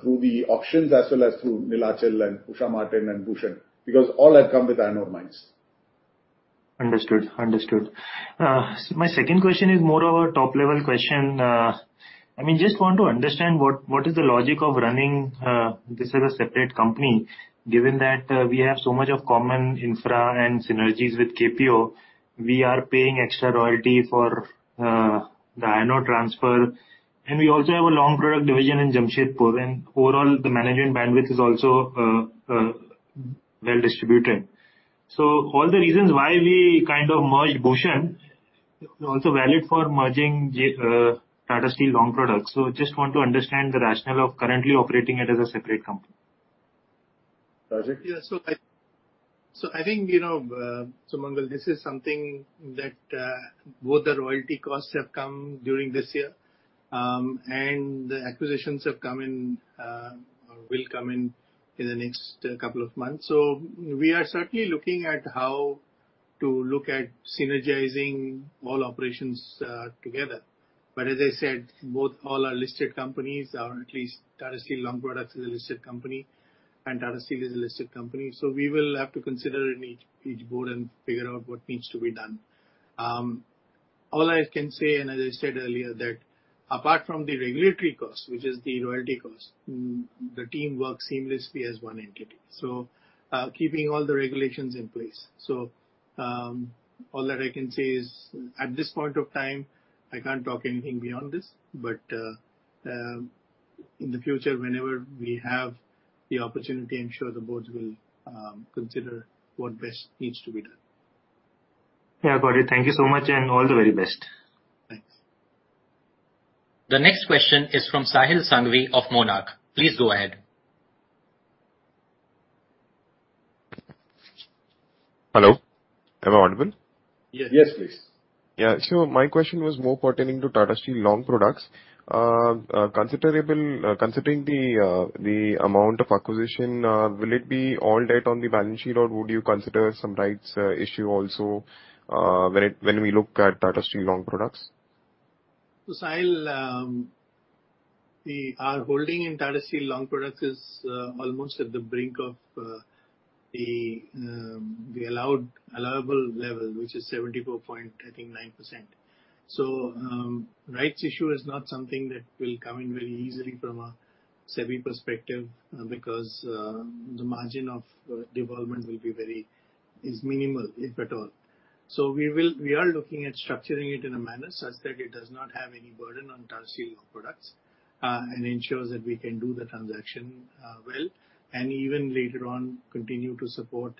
through the auctions as well as through Neelachal and Usha Martin and Bhushan, because all have come with iron ore mines. Understood. My second question is more of a top level question. I mean, just want to understand what is the logic of running this as a separate company, given that we have so much of common infra and synergies with KPO. We are paying extra royalty for the NINL transfer, and we also have a long product division in Jamshedpur. Overall the management bandwidth is also well distributed. All the reasons why we kind of merged Bhushan is also valid for merging Tata Steel Long Products. Just want to understand the rationale of currently operating it as a separate company. Koushik. Yeah. I think, you know, Sumangal, this is something that both the royalty costs have come during this year, and the acquisitions have come in or will come in in the next couple of months. We are certainly looking at how to look at synergizing all operations together. As I said, both all are listed companies, or at least Tata Steel Long Products is a listed company and Tata Steel is a listed company. We will have to consider in each board and figure out what needs to be done. All I can say, and as I said earlier, that apart from the regulatory cost, which is the royalty cost, the team works seamlessly as one entity. Keeping all the regulations in place. All that I can say is at this point of time, I can't talk anything beyond this. In the future, whenever we have the opportunity, I'm sure the boards will consider what best needs to be done. Yeah, got it. Thank you so much and all the very best. Thanks. The next question is from Sahil Sanghvi of Monarch. Please go ahead. Hello, am I audible? Yes. Yes, please. Yeah. My question was more pertaining to Tata Steel Long Products. Considering the amount of acquisition, will it be all debt on the balance sheet, or would you consider some rights issue also when we look at Tata Steel Long Products? Sahil, our holding in Tata Steel Long Products is almost at the brink of the allowable level, which is 74.9%, I think. Rights issue is not something that will come in very easily from a SEBI perspective because the margin of involvement will be very minimal, if at all. We are looking at structuring it in a manner such that it does not have any burden on Tata Steel Long Products and ensures that we can do the transaction well, and even later on continue to support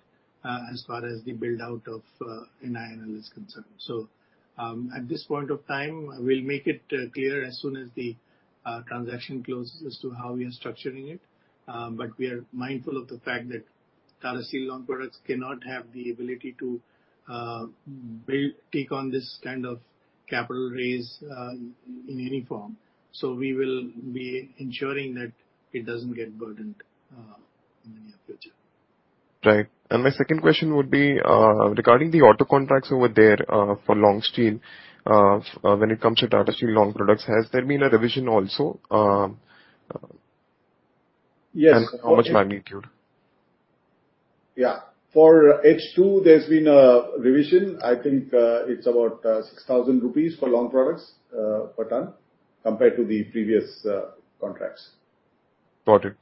as far as the build-out of in NINL is concerned. At this point of time, we'll make it clear as soon as the transaction closes as to how we are structuring it. We are mindful of the fact that Tata Steel Long Products cannot have the ability to take on this kind of capital raise in any form. We will be ensuring that it doesn't get burdened in the near future. Right. My second question would be, regarding the auto contracts over there, for Long Steel. When it comes to Tata Steel Long Products, has there been a revision also? Yes. How much magnitude? For H2, there's been a revision. I think it's about 6,000 rupees for Long Products per ton compared to the previous contracts. Got it.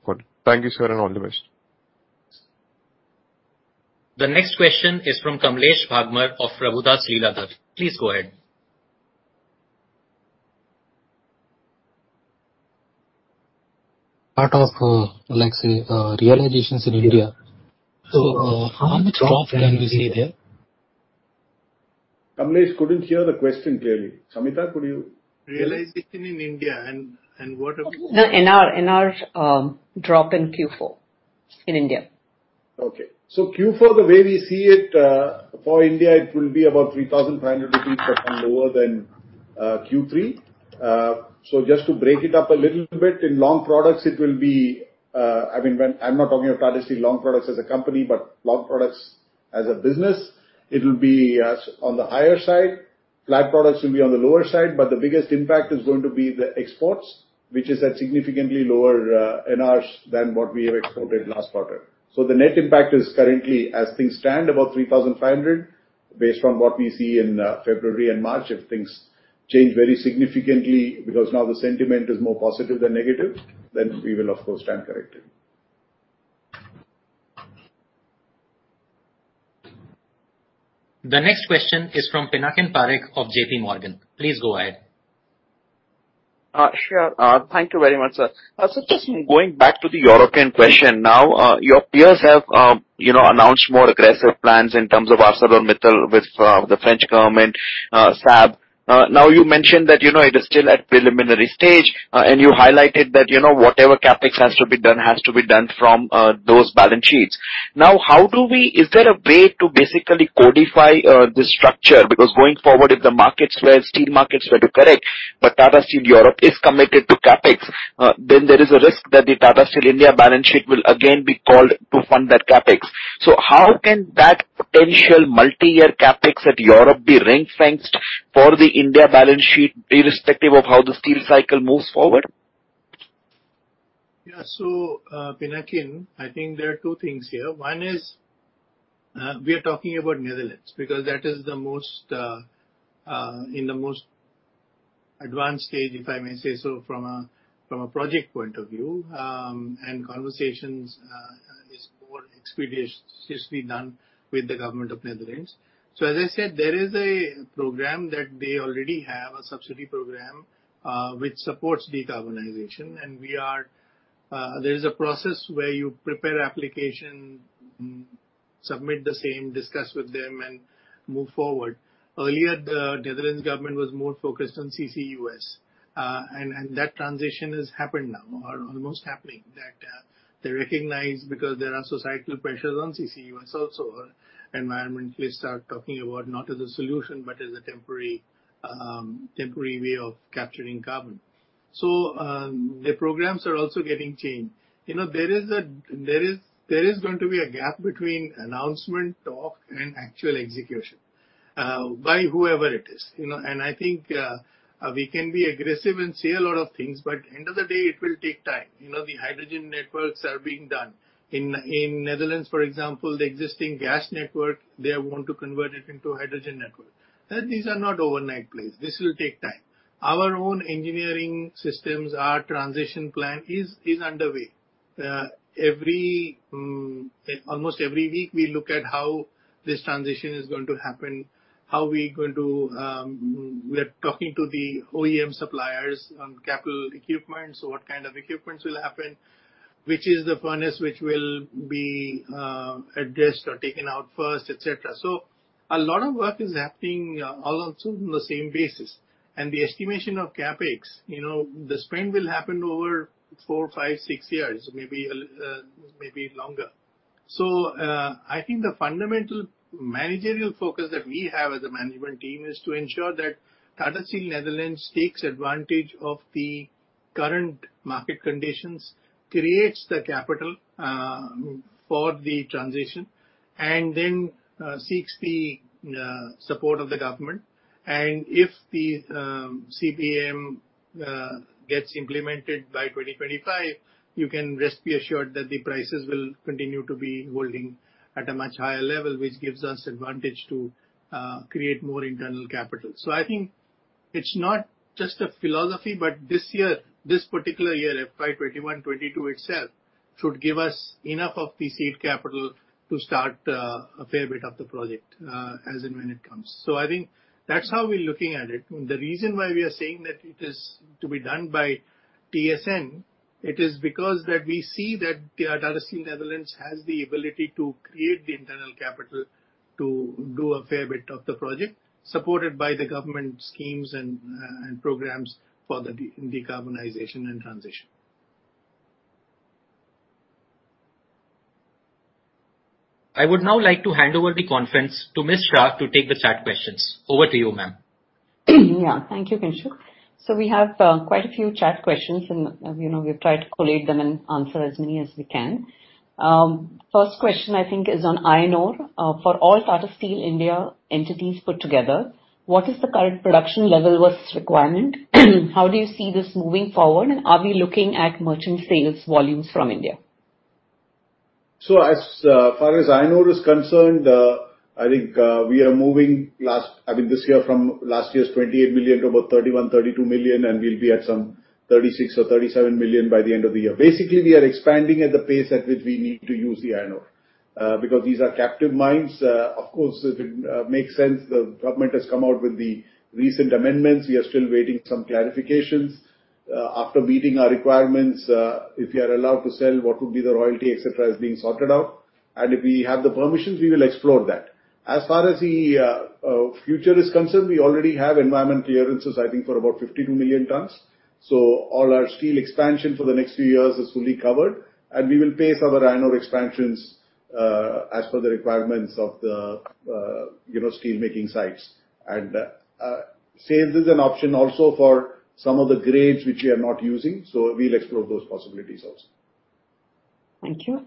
Thank you, sir, and all the best. The next question is from Kamlesh Bagmar of Prabhudas Lilladher. Please go ahead. Part of, like, say, realizations in India. How much drop can we see there? Kamlesh, couldn't hear the question clearly. Samita, could you? Realization in India and what are? The NR drop in Q4 in India. Okay. Q4, the way we see it, for India, it will be about 3,500 rupees per ton lower than Q3. Just to break it up a little bit, in Long Products it will be, I mean, I'm not talking of Tata Steel Long Products as a company, but Long Products as a business. It'll be on the higher side. Flat Products will be on the lower side, but the biggest impact is going to be the exports, which is at significantly lower NR than what we have exported last quarter. The net impact is currently, as things stand, about 3,500 INR based on what we see in February and March. If things change very significantly, because now the sentiment is more positive than negative, then we will of course stand corrected. The next question is from Pinakin Parekh of JPMorgan. Please go ahead. Sure. Thank you very much, sir. So just going back to the European question now. Your peers have, you know, announced more aggressive plans in terms of ArcelorMittal with the French government, SSAB. Now you mentioned that, you know, it is still at preliminary stage, and you highlighted that, you know, whatever CapEx has to be done has to be done from those balance sheets. Now, is there a way to basically codify the structure? Because going forward, if the steel markets were to correct, but Tata Steel Europe is committed to CapEx, then there is a risk that the Tata Steel India balance sheet will again be called to fund that CapEx. How can that potential multi-year CapEx at Europe be ring-fenced for the India balance sheet, irrespective of how the steel cycle moves forward? Pinakin, I think there are two things here. One is, we are talking about Netherlands because that is the most advanced stage, if I may say so, from a project point of view, and conversations is more expeditiously done with the government of Netherlands. As I said, there is a program that they already have, a subsidy program, which supports decarbonization. There is a process where you prepare application, submit the same, discuss with them and move forward. Earlier, the Netherlands government was more focused on CCUS. And that transition has happened now or almost happening that they recognize because there are societal pressures on CCUS also. Environmentalists are talking about not as a solution, but as a temporary way of capturing carbon. The programs are also getting changed. You know, there is going to be a gap between announcement talk and actual execution by whoever it is, you know. I think we can be aggressive and say a lot of things, but end of the day it will take time. You know, the hydrogen networks are being done. In Netherlands, for example, the existing gas network, they want to convert it into a hydrogen network. These are not overnight plays. This will take time. Our own engineering systems, our transition plan is underway. Almost every week, we look at how this transition is going to happen. We are talking to the OEM suppliers on capital equipment, so what kind of equipment will happen, which furnace will be addressed or taken out first, etc. A lot of work is happening, also on the same basis. The estimation of CapEx, you know, the spend will happen over four, five, six years, maybe longer. I think the fundamental managerial focus that we have as a management team is to ensure that Tata Steel Netherlands takes advantage of the current market conditions, creates the capital for the transition, and then seeks the support of the government. If the CBAM gets implemented by 2025, you can rest assured that the prices will continue to be holding at a much higher level, which gives us advantage to create more internal capital. I think it's not just a philosophy, but this year, this particular year, FY 2021, FY 2022 itself should give us enough of the seed capital to start a fair bit of the project as and when it comes. I think that's how we're looking at it. The reason why we are saying that it is to be done by TSN, it is because that we see that the Tata Steel Netherlands has the ability to create the internal capital to do a fair bit of the project supported by the government schemes and programs for the decarbonization and transition. I would now like to hand over the conference to Ms. Shah to take the chat questions. Over to you, ma'am. Thank you, Koushik. We have quite a few chat questions and, as you know, we'll try to collate them and answer as many as we can. First question, I think is on iron ore. For all Tata Steel India entities put together, what is the current production level versus requirement? How do you see this moving forward, and are we looking at merchant sales volumes from India? As far as iron ore is concerned, I think we are moving this year from last year's 28 million to about 31 million-32 million, and we'll be at some 36 million-37 million by the end of the year. Basically, we are expanding at the pace at which we need to use the iron ore, because these are captive mines. Of course, it makes sense the government has come out with the recent amendments. We are still waiting some clarifications. After meeting our requirements, if we are allowed to sell, what would be the royalty, et cetera, is being sorted out. If we have the permissions, we will explore that. As far as the future is concerned, we already have environmental clearances, I think for about 52 million tons. All our steel expansion for the next few years is fully covered, and we will pace our iron ore expansions as per the requirements of the you know, steelmaking sites. Sales is an option also for some of the grades which we are not using, so we'll explore those possibilities also. Thank you.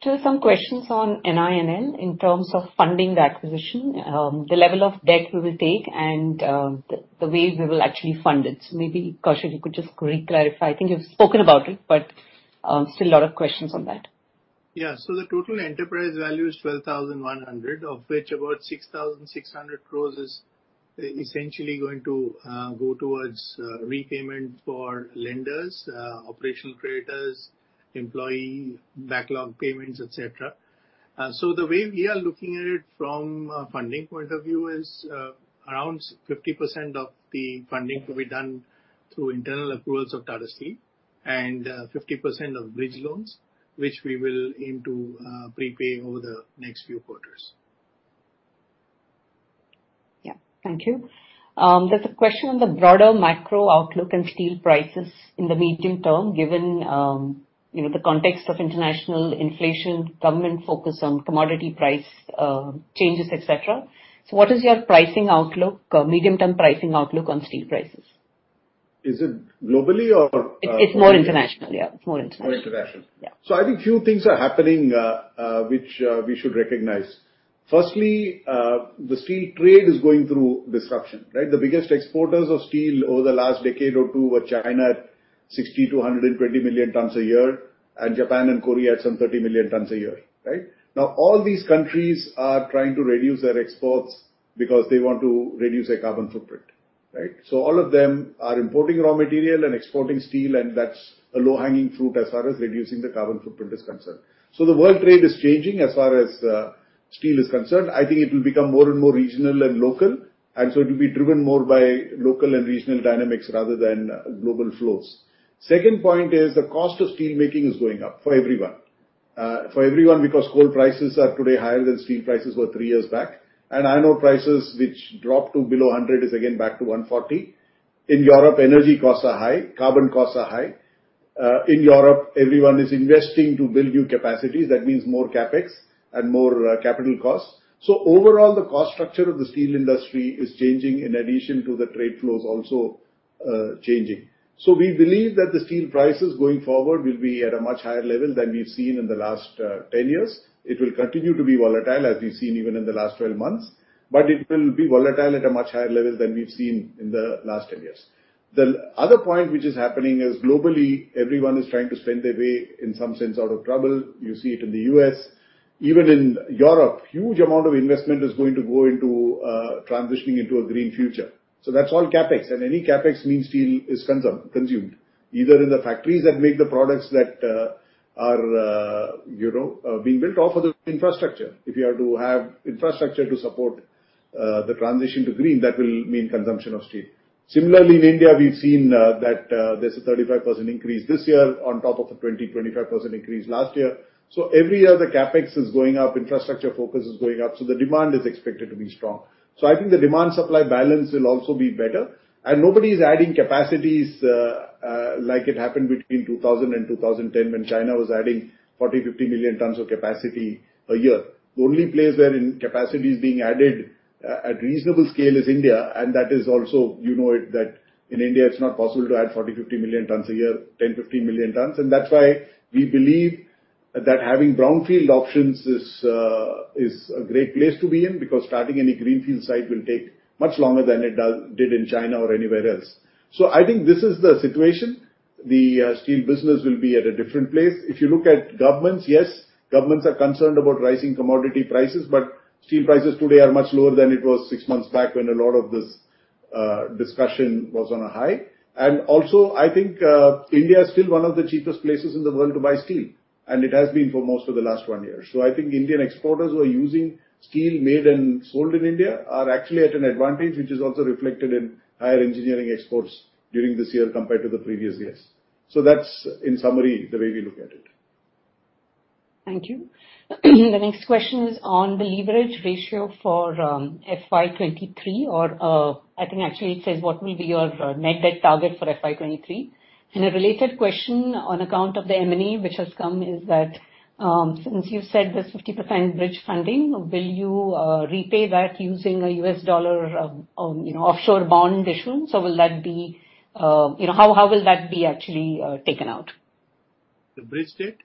Still some questions on NINL in terms of funding the acquisition, the level of debt we will take and, the way we will actually fund it. Maybe, Kaushik, you could just re-clarify. I think you've spoken about it, but still a lot of questions on that. Yeah. The total enterprise value is 12,100 crore, of which about 6,600 crore is essentially going to go towards repayment for lenders, operational creditors, employee backlog payments, et cetera. The way we are looking at it from a funding point of view is around 50% of the funding to be done through internal approvals of Tata Steel and 50% of bridge loans, which we will aim to prepay over the next few quarters. Yeah. Thank you. There's a question on the broader macro outlook and steel prices in the medium term, given you know, the context of international inflation, government focus on commodity price changes, et cetera. What is your pricing outlook, medium-term pricing outlook on steel prices? Is it globally or? It's more international. Yeah. It's more international. More international. Yeah. I think few things are happening, which we should recognize. Firstly, the steel trade is going through disruption, right? The biggest exporters of steel over the last decade or two were China at 60 million-120 million tons a year, and Japan and Korea at some 30 million tons a year, right? Now, all these countries are trying to reduce their exports because they want to reduce their carbon footprint, right? All of them are importing raw material and exporting steel, and that's a low-hanging fruit as far as reducing the carbon footprint is concerned. The world trade is changing as far as steel is concerned. I think it will become more and more regional and local. It will be driven more by local and regional dynamics rather than global flows. Second point is the cost of steelmaking is going up for everyone. For everyone because coal prices are today higher than steel prices were three years back. Iron ore prices, which dropped to below $100, is again back to $140. In Europe, energy costs are high, carbon costs are high. In Europe, everyone is investing to build new capacities. That means more CapEx and more capital costs. Overall, the cost structure of the steel industry is changing in addition to the trade flows also changing. We believe that the steel prices going forward will be at a much higher level than we've seen in the last 10 years. It will continue to be volatile, as we've seen even in the last 12 months, but it will be volatile at a much higher level than we've seen in the last 10 years. The other point which is happening is globally everyone is trying to spend their way, in some sense, out of trouble. You see it in the U.S. Even in Europe, huge amount of investment is going to go into transitioning into a green future. That's all CapEx. Any CapEx means steel is consumed, either in the factories that make the products that are you know being built, or for the infrastructure. If you are to have infrastructure to support the transition to green, that will mean consumption of steel. Similarly, in India, we've seen that there's a 35% increase this year on top of the 20%-25% increase last year. Every year the CapEx is going up, infrastructure focus is going up, so the demand is expected to be strong. I think the demand-supply balance will also be better. Nobody is adding capacities like it happened between 2000 and 2010 when China was adding 40 million-50 million tons of capacity a year. The only place where capacity is being added at reasonable scale is India, and that is also, you know, that in India it's not possible to add 40 million-50 million tons a year, 10 million-15 million tons. That's why we believe that having brownfield options is a great place to be in because starting any greenfield site will take much longer than it did in China or anywhere else. I think this is the situation. The steel business will be at a different place. If you look at governments, yes, governments are concerned about rising commodity prices, but steel prices today are much lower than it was six months back when a lot of this discussion was on a high. I think, India is still one of the cheapest places in the world to buy steel, and it has been for most of the last one year. I think Indian exporters who are using steel made and sold in India are actually at an advantage, which is also reflected in higher engineering exports during this year compared to the previous years. That's, in summary, the way we look at it. Thank you. The next question is on the leverage ratio for FY 2023, or I think actually it says what will be your net debt target for FY 2023. A related question on account of the M&A which has come is that, since you've said there's 50% bridge funding, will you repay that using a US dollar you know offshore bond issue. Will that be you know how will that be actually taken out? The bridge debt?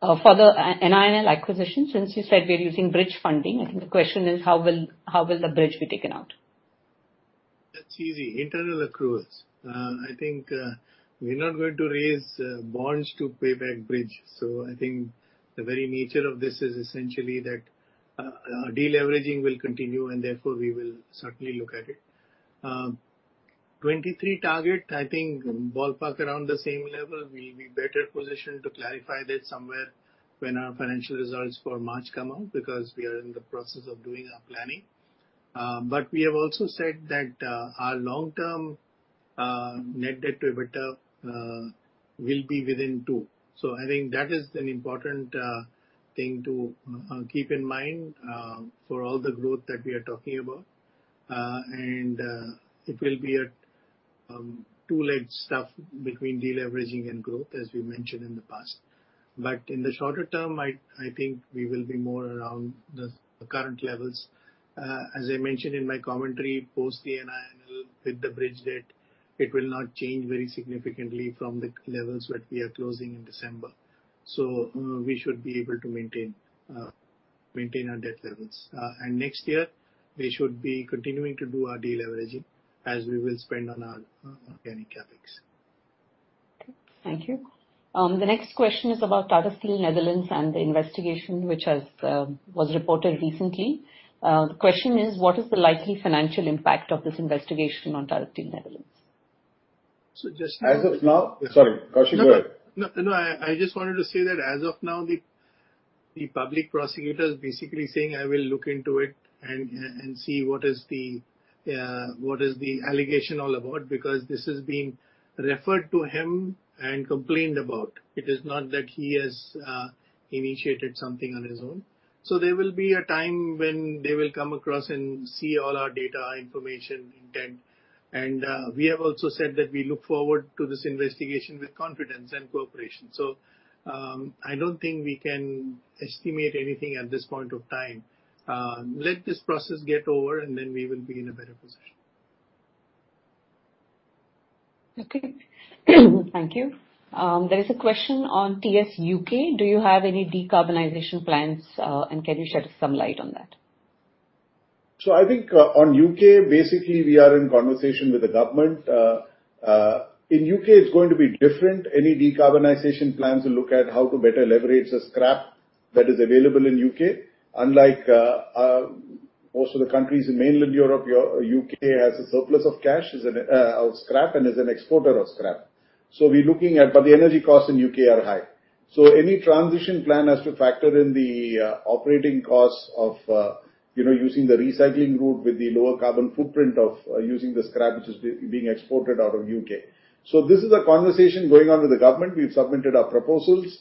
For the NINL acquisition. Since you said we are using bridge funding, I think the question is how will the bridge be taken out? That's easy. Internal accruals. I think we're not going to raise bonds to pay back bridge. I think the very nature of this is essentially that deleveraging will continue, and therefore we will certainly look at it. 23 target, I think ballpark around the same level. We'll be better positioned to clarify that somewhere when our financial results for March come out because we are in the process of doing our planning. We have also said that our long-term net debt to EBITDA will be within two. I think that is an important thing to keep in mind for all the growth that we are talking about. It will be a 2-leg stuff between deleveraging and growth, as we mentioned in the past. In the shorter term, I think we will be more around the current levels. As I mentioned in my commentary, post the NINL with the bridge debt, it will not change very significantly from the levels that we are closing in December. We should be able to maintain our debt levels. Next year we should be continuing to do our deleveraging as we will spend on our organic CapEx. Okay. Thank you. The next question is about Tata Steel Netherlands and the investigation which was reported recently. The question is what is the likely financial impact of this investigation on Tata Steel Netherlands? Sorry. Koushik, go ahead. No, no. I just wanted to say that as of now, the public prosecutor is basically saying, "I will look into it and see what is the allegation all about," because this is being referred to him and complained about. It is not that he has initiated something on his own. There will be a time when they will come across and see all our data, information, intent. We have also said that we look forward to this investigation with confidence and cooperation. I don't think we can estimate anything at this point of time. Let this process get over, and then we will be in a better position. Okay. Thank you. There is a question on TS U.K. Do you have any decarbonization plans, and can you shed some light on that? I think on U.K., basically we are in conversation with the government. In U.K. it's going to be different. Any decarbonization plans will look at how to better leverage the scrap that is available in U.K. Unlike most of the countries in mainland Europe, U.K. has a surplus of scrap and is an exporter of scrap. The energy costs in U.K. are high. Any transition plan has to factor in the operating costs of you know, using the recycling route with the lower carbon footprint of using the scrap which is being exported out of U.K. This is a conversation going on with the government. We've submitted our proposals.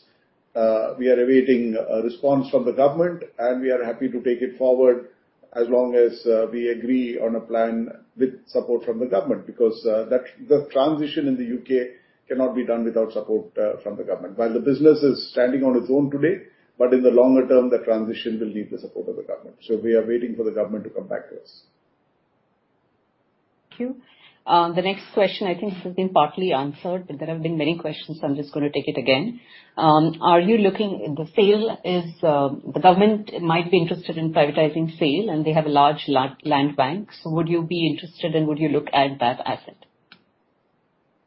We are awaiting a response from the government, and we are happy to take it forward as long as we agree on a plan with support from the government. Because the transition in the U.K. cannot be done without support from the government. While the business is standing on its own today, but in the longer term the transition will need the support of the government. We are waiting for the government to come back to us. Thank you. The next question I think has been partly answered, but there have been many questions, so I'm just gonna take it again. The SAIL is, the government might be interested in privatizing SAIL, and they have a large land bank. Would you be interested and would you look at that asset?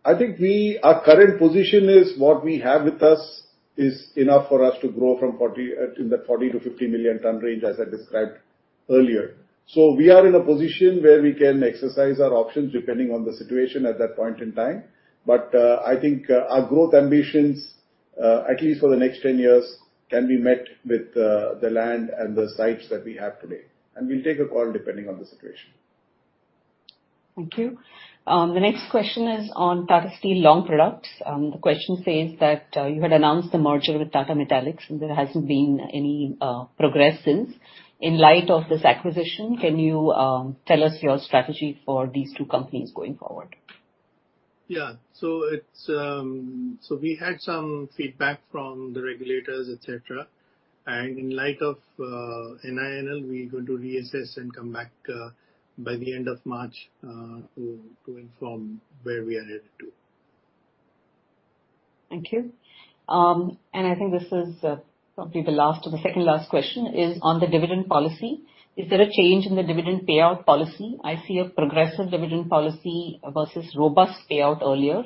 Our current position is what we have with us is enough for us to grow in that 40 million-50 million ton range, as I described earlier. We are in a position where we can exercise our options depending on the situation at that point in time. I think our growth ambitions, at least for the next 10 years, can be met with the land and the sites that we have today. We'll take a call depending on the situation. Thank you. The next question is on Tata Steel Long Products. The question says that you had announced the merger with Tata Metaliks and there hasn't been any progress since. In light of this acquisition, can you tell us your strategy for these two companies going forward? We had some feedback from the regulators, et cetera. In light of NINL, we're going to reassess and come back by the end of March to inform where we are headed to. Thank you. I think this is probably the last or the second to last question, is on the dividend policy. Is there a change in the dividend payout policy? I see a progressive dividend policy versus robust payout earlier.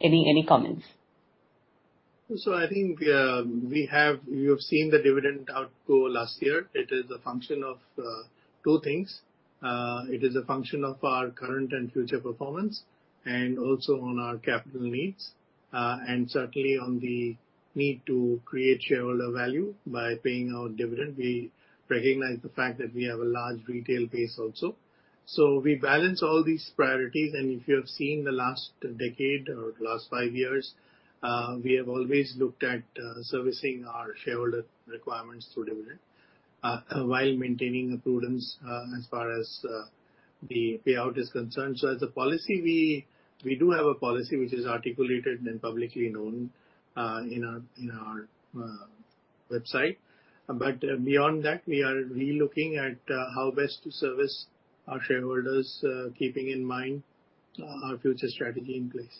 Any comments? I think you have seen the dividend outgo last year. It is a function of two things. It is a function of our current and future performance, and also on our capital needs. And certainly on the need to create shareholder value by paying out dividend. We recognize the fact that we have a large retail base also. We balance all these priorities, and if you have seen the last decade or the last five years, we have always looked at servicing our shareholder requirements through dividend while maintaining a prudence as far as the payout is concerned. As a policy we do have a policy which is articulated and publicly known in our website. Beyond that, we are really looking at how best to service our shareholders, keeping in mind our future strategy in place.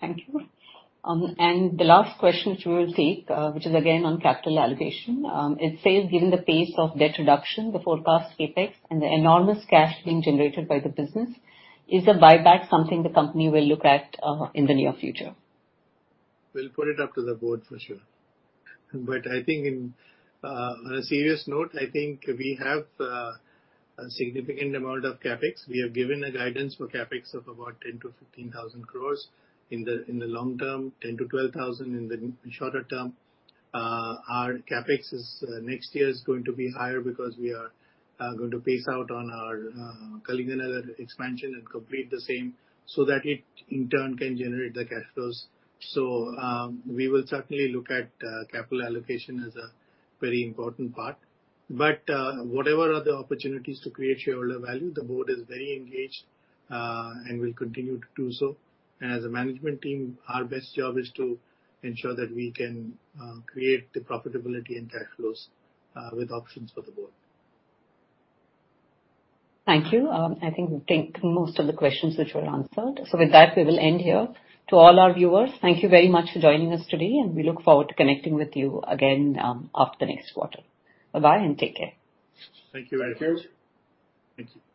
Thank you. The last question which we will take, which is again on capital allocation. It says, given the pace of debt reduction, the forecast CapEx and the enormous cash being generated by the business, is a buyback something the company will look at, in the near future? We'll put it up to the board for sure. I think on a serious note, I think we have a significant amount of CapEx. We have given a guidance for CapEx of about 10,000-15,000 crore in the long term, 10,000-12,000 crore in the shorter term. Our CapEx next year is going to be higher because we are going to pace out on our Kalinganagar expansion and complete the same so that it in turn can generate the cash flows. We will certainly look at capital allocation as a very important part. Whatever are the opportunities to create shareholder value, the board is very engaged and will continue to do so. As a management team, our best job is to ensure that we can create the profitability and cash flows with options for the board. Thank you. I think we've taken most of the questions which were answered. With that, we will end here. To all our viewers, thank you very much for joining us today, and we look forward to connecting with you again, after the next quarter. Bye-bye and take care. Thank you, Samita. Thank you.